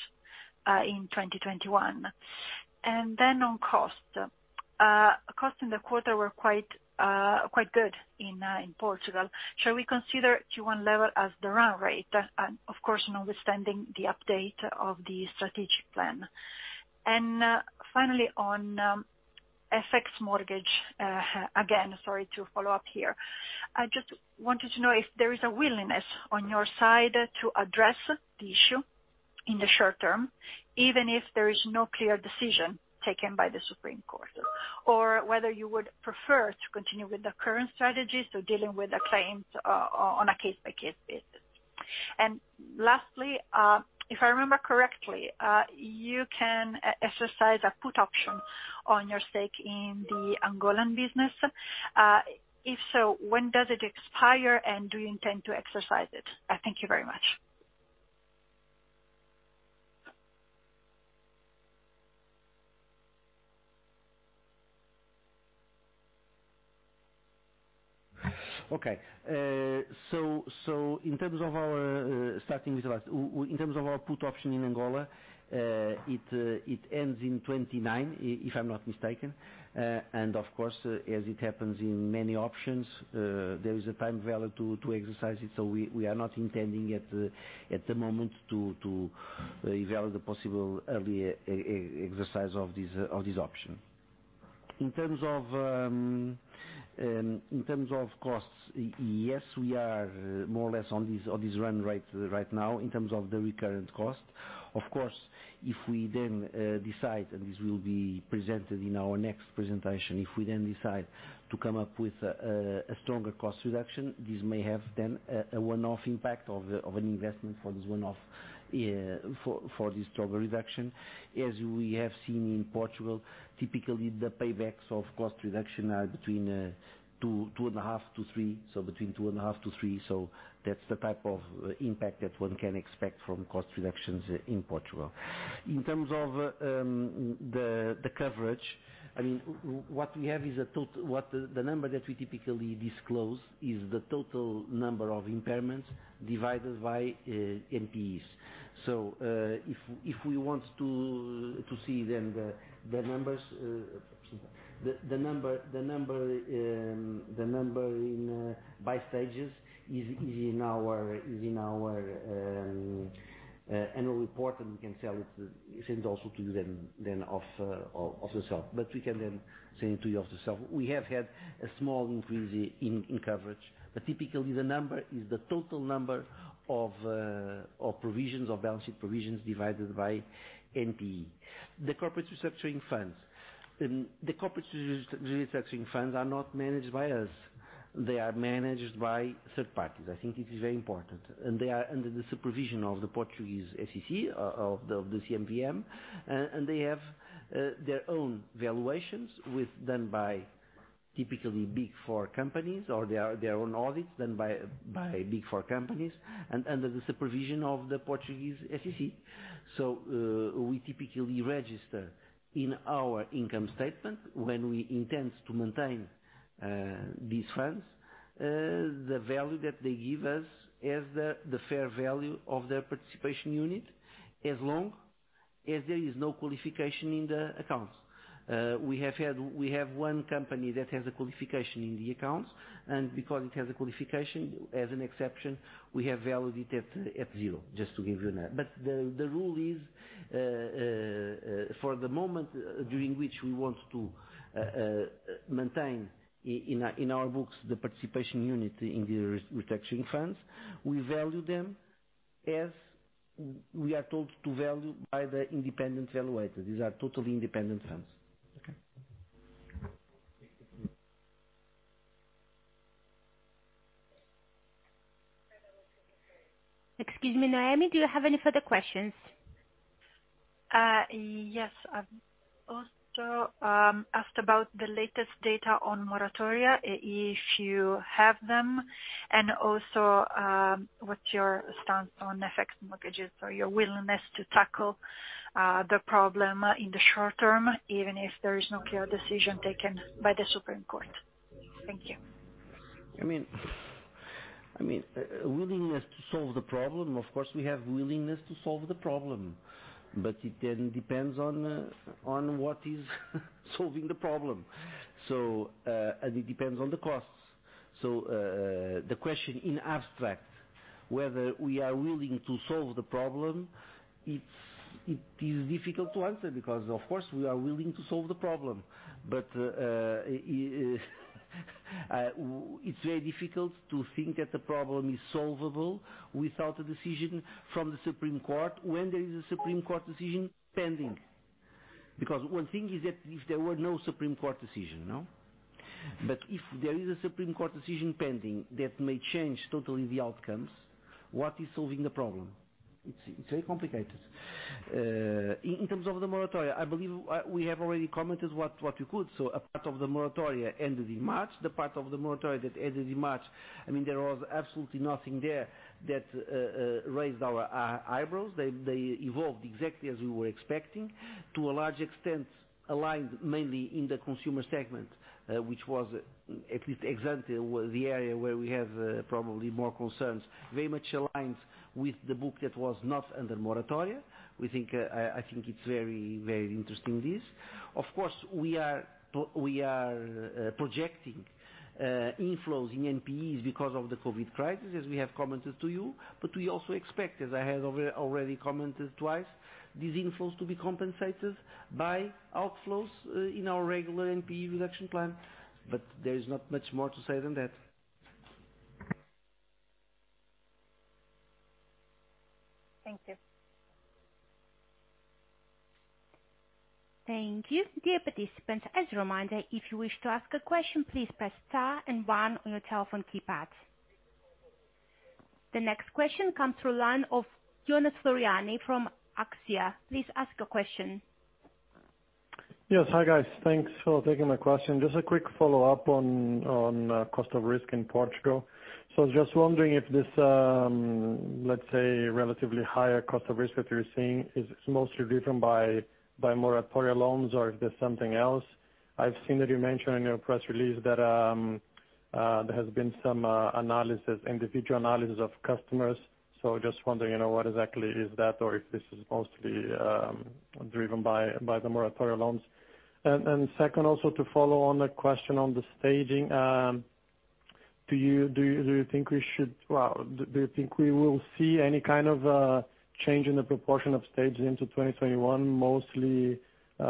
in 2021? On cost. Cost in the quarter were quite good in Portugal. Shall we consider Q1 level as the run rate? Of course, notwithstanding the update of the strategic plan. Finally, on FX mortgage, again, sorry to follow up here. I just wanted to know if there is a willingness on your side to address the issue in the short term, even if there is no clear decision taken by the Supreme Court, or whether you would prefer to continue with the current strategy, so dealing with the claims on a case-by-case basis. Lastly, if I remember correctly, you can exercise a put option on your stake in the Angolan business. If so, when does it expire, and do you intend to exercise it? Thank you very much. Okay. In terms of our starting, in terms of our put option in Angola, it ends in 2029, if I'm not mistaken. Of course, as it happens in many options, there is a time value to exercise it. We are not intending at the moment to value the possible early exercise of this option. In terms of costs, yes, we are more or less on this run rate right now in terms of the recurrent cost. If we then decide, and this will be presented in our next presentation, if we then decide to come up with a stronger cost reduction, this may have then a one-off impact of an investment for this stronger reduction. As we have seen in Portugal, typically the paybacks of cost reduction are between 2.5 to three. That's the type of impact that one can expect from cost reductions in Portugal. In terms of the coverage, the number that we typically disclose is the total number of impairments divided by NPEs. If we want to see then the numbers by stages is in our annual report, and we can send also to you then off the shelf. We can then send it to you off the shelf. We have had a small increase in coverage, but typically the number is the total number of balance sheet provisions divided by NPE. The corporate restructuring funds are not managed by us. They are managed by third parties. I think it is very important. They are under the supervision of the CMVM, of the CMVM, and they have their own valuations done by typically Big Four companies, or their own audits done by Big Four companies and under the supervision of the CMVM. We typically register in our income statement when we intend to maintain these funds, the value that they give us as the fair value of their participation unit, as long as there is no qualification in the accounts. We have one company that has a qualification in the accounts, and because it has a qualification, as an exception, we have valued it at zero, just to give you an idea. The rule is, for the moment during which we want to maintain in our books the participation unit in the restructuring funds, we value them as we are told to value by the independent valuator. These are totally independent funds. Okay. Excuse me, Noemi, do you have any further questions? Yes. I also asked about the latest data on moratoria, if you have them, and also what's your stance on FX mortgages or your willingness to tackle the problem in the short term, even if there is no clear decision taken by the Supreme Court. Thank you. Willingness to solve the problem, of course, we have willingness to solve the problem. It then depends on what is solving the problem. It depends on the costs. The question in abstract, whether we are willing to solve the problem, it is difficult to answer because, of course, we are willing to solve the problem. It's very difficult to think that the problem is solvable without a decision from the Supreme Court when there is a Supreme Court decision pending. Because one thing is that if there were no Supreme Court decision, no. If there is a Supreme Court decision pending that may change totally the outcomes, what is solving the problem? It's very complicated. In terms of the moratoria, I believe we have already commented what we could. A part of the moratoria ended in March. The part of the moratoria that ended in March, there was absolutely nothing there that raised our eyebrows. They evolved exactly as we were expecting. To a large extent, aligned mainly in the consumer segment, which was at least the area where we have probably more concerns, very much aligns with the book that was not under moratoria. I think it's very interesting, this. Of course, we are projecting inflows in NPEs because of the COVID crisis, as we have commented to you, but we also expect, as I have already commented twice, these inflows to be compensated by outflows in our regular NPE reduction plan. There's not much more to say than that. Thank you. Thank you. Dear participants, as a reminder, if you wish to ask a question, please press star and one on your telephone keypad. The next question comes from line of Jonas Floriani from AXIA. Please ask your question. Yes. Hi, guys. Thanks for taking my question. Just a quick follow-up on cost of risk in Portugal. Just wondering if this, let's say, relatively higher cost of risk that you're seeing is mostly driven by moratoria loans or if there's something else. I've seen that you mentioned in your press release that there has been some individual analysis of customers. Just wondering what exactly is that, or if this is mostly driven by the moratoria loans. Second, also to follow on the question on the staging, do you think we will see any kind of change in the proportion of stages into 2021, mostly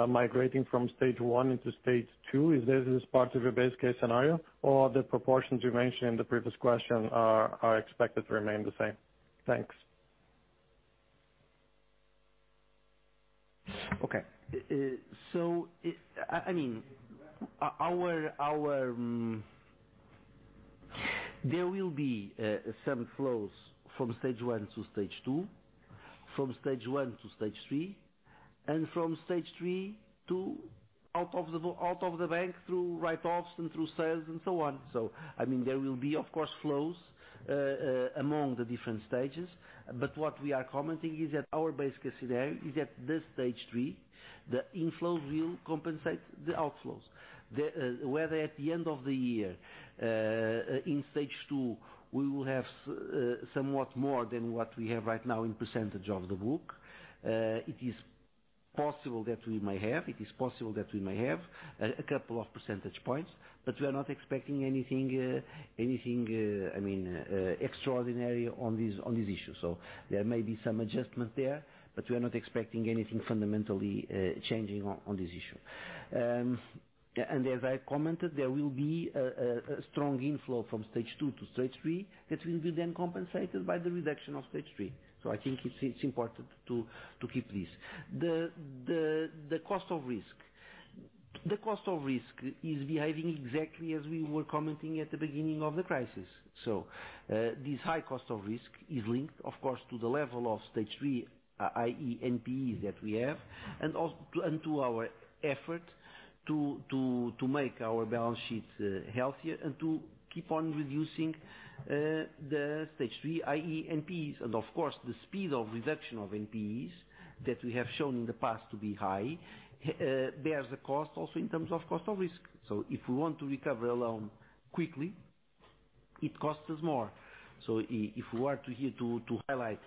migrating from Stage 1 into Stage 2? Is this part of your base case scenario? Are the proportions you mentioned in the previous question are expected to remain the same? Thanks. Okay. There will be some flows from Stage 1 to Stage 2, from Stage 1 to Stage 3, and from Stage 3 out of the bank through write-offs and through sales and so on. There will be, of course, flows among the different stages. What we are commenting is that our base case scenario is at the Stage 3, the inflows will compensate the outflows. Whether at the end of the year, in Stage 2, we will have somewhat more than what we have right now in percentage of the book. It is possible that we may have a couple of percentage points, but we are not expecting anything extraordinary on this issue. There may be some adjustment there, but we are not expecting anything fundamentally changing on this issue. As I commented, there will be a strong inflow from Stage 2 to Stage 3 that will be then compensated by the reduction of Stage 3. I think it's important to keep this. The cost of risk is behaving exactly as we were commenting at the beginning of the crisis. This high cost of risk is linked, of course, to the level of Stage 3, i.e. NPEs that we have, and to our efforts to make our balance sheets healthier and to keep on reducing the Stage 3, i.e. NPEs. Of course, the speed of reduction of NPEs that we have shown in the past to be high, bears a cost also in terms of cost of risk. If we want to recover a loan quickly, it costs us more. If we were to here to highlight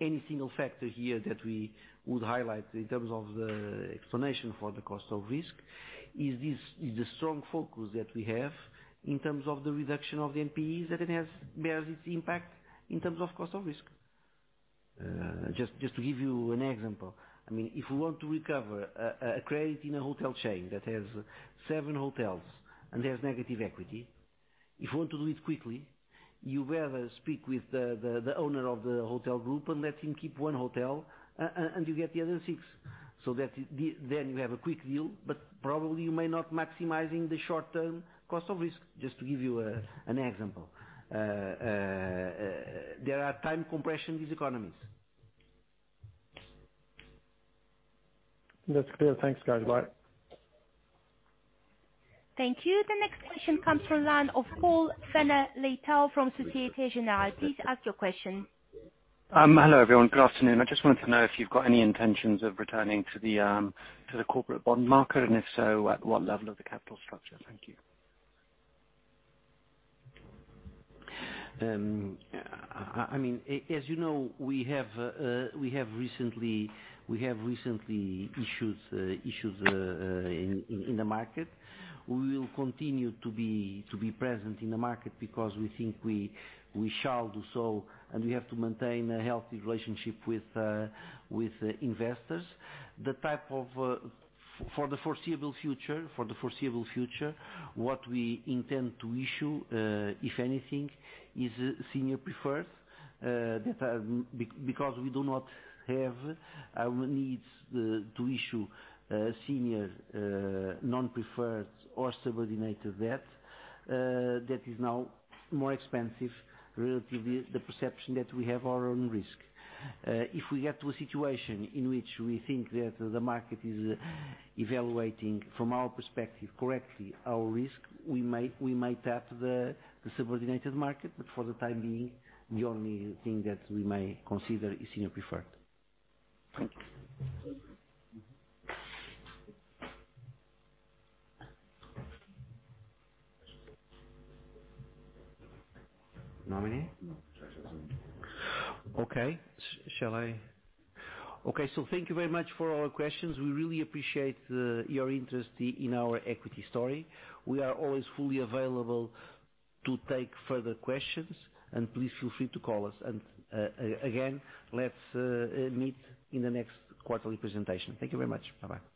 any single factor here that we would highlight in terms of the explanation for the cost of risk is the strong focus that we have in terms of the reduction of NPEs, that it bears its impact in terms of cost of risk. Just to give you an example, if we want to recover a credit in a hotel chain that has seven hotels and there's negative equity, if you want to do it quickly, you better speak with the owner of the hotel group and let him keep one hotel and you get the other six. Then you have a quick deal, but probably you may not maximizing the short-term cost of risk. Just to give you an example. There are time compression diseconomies. That's clear. Thanks, guys. Bye. Thank you. The next question comes from line of Paul Fenner-Leitão from Societe Generale. Please ask your question. Hello, everyone. Good afternoon. I just want to know if you've got any intentions of returning to the corporate bond market, and if so, at what level of the capital structure. Thank you. As you know, we have recently issued in the market. We will continue to be present in the market because we think we shall do so, and we have to maintain a healthy relationship with investors. For the foreseeable future, what we intend to issue, if anything, is senior preferred because we do not have our needs to issue senior non-preferred or subordinated debt that is now more expensive relative to the perception that we have our own risk. If we get to a situation in which we think that the market is evaluating, from our perspective, correctly our risk, we might tap the subordinated market, but for the time being, the only thing that we may consider is senior preferred. Okay. Shall I? Okay. Thank you very much for all your questions. We really appreciate your interest in our equity story. We are always fully available to take further questions and please feel free to call us. Again, let's meet in the next quarterly presentation. Thank you very much. Bye-bye.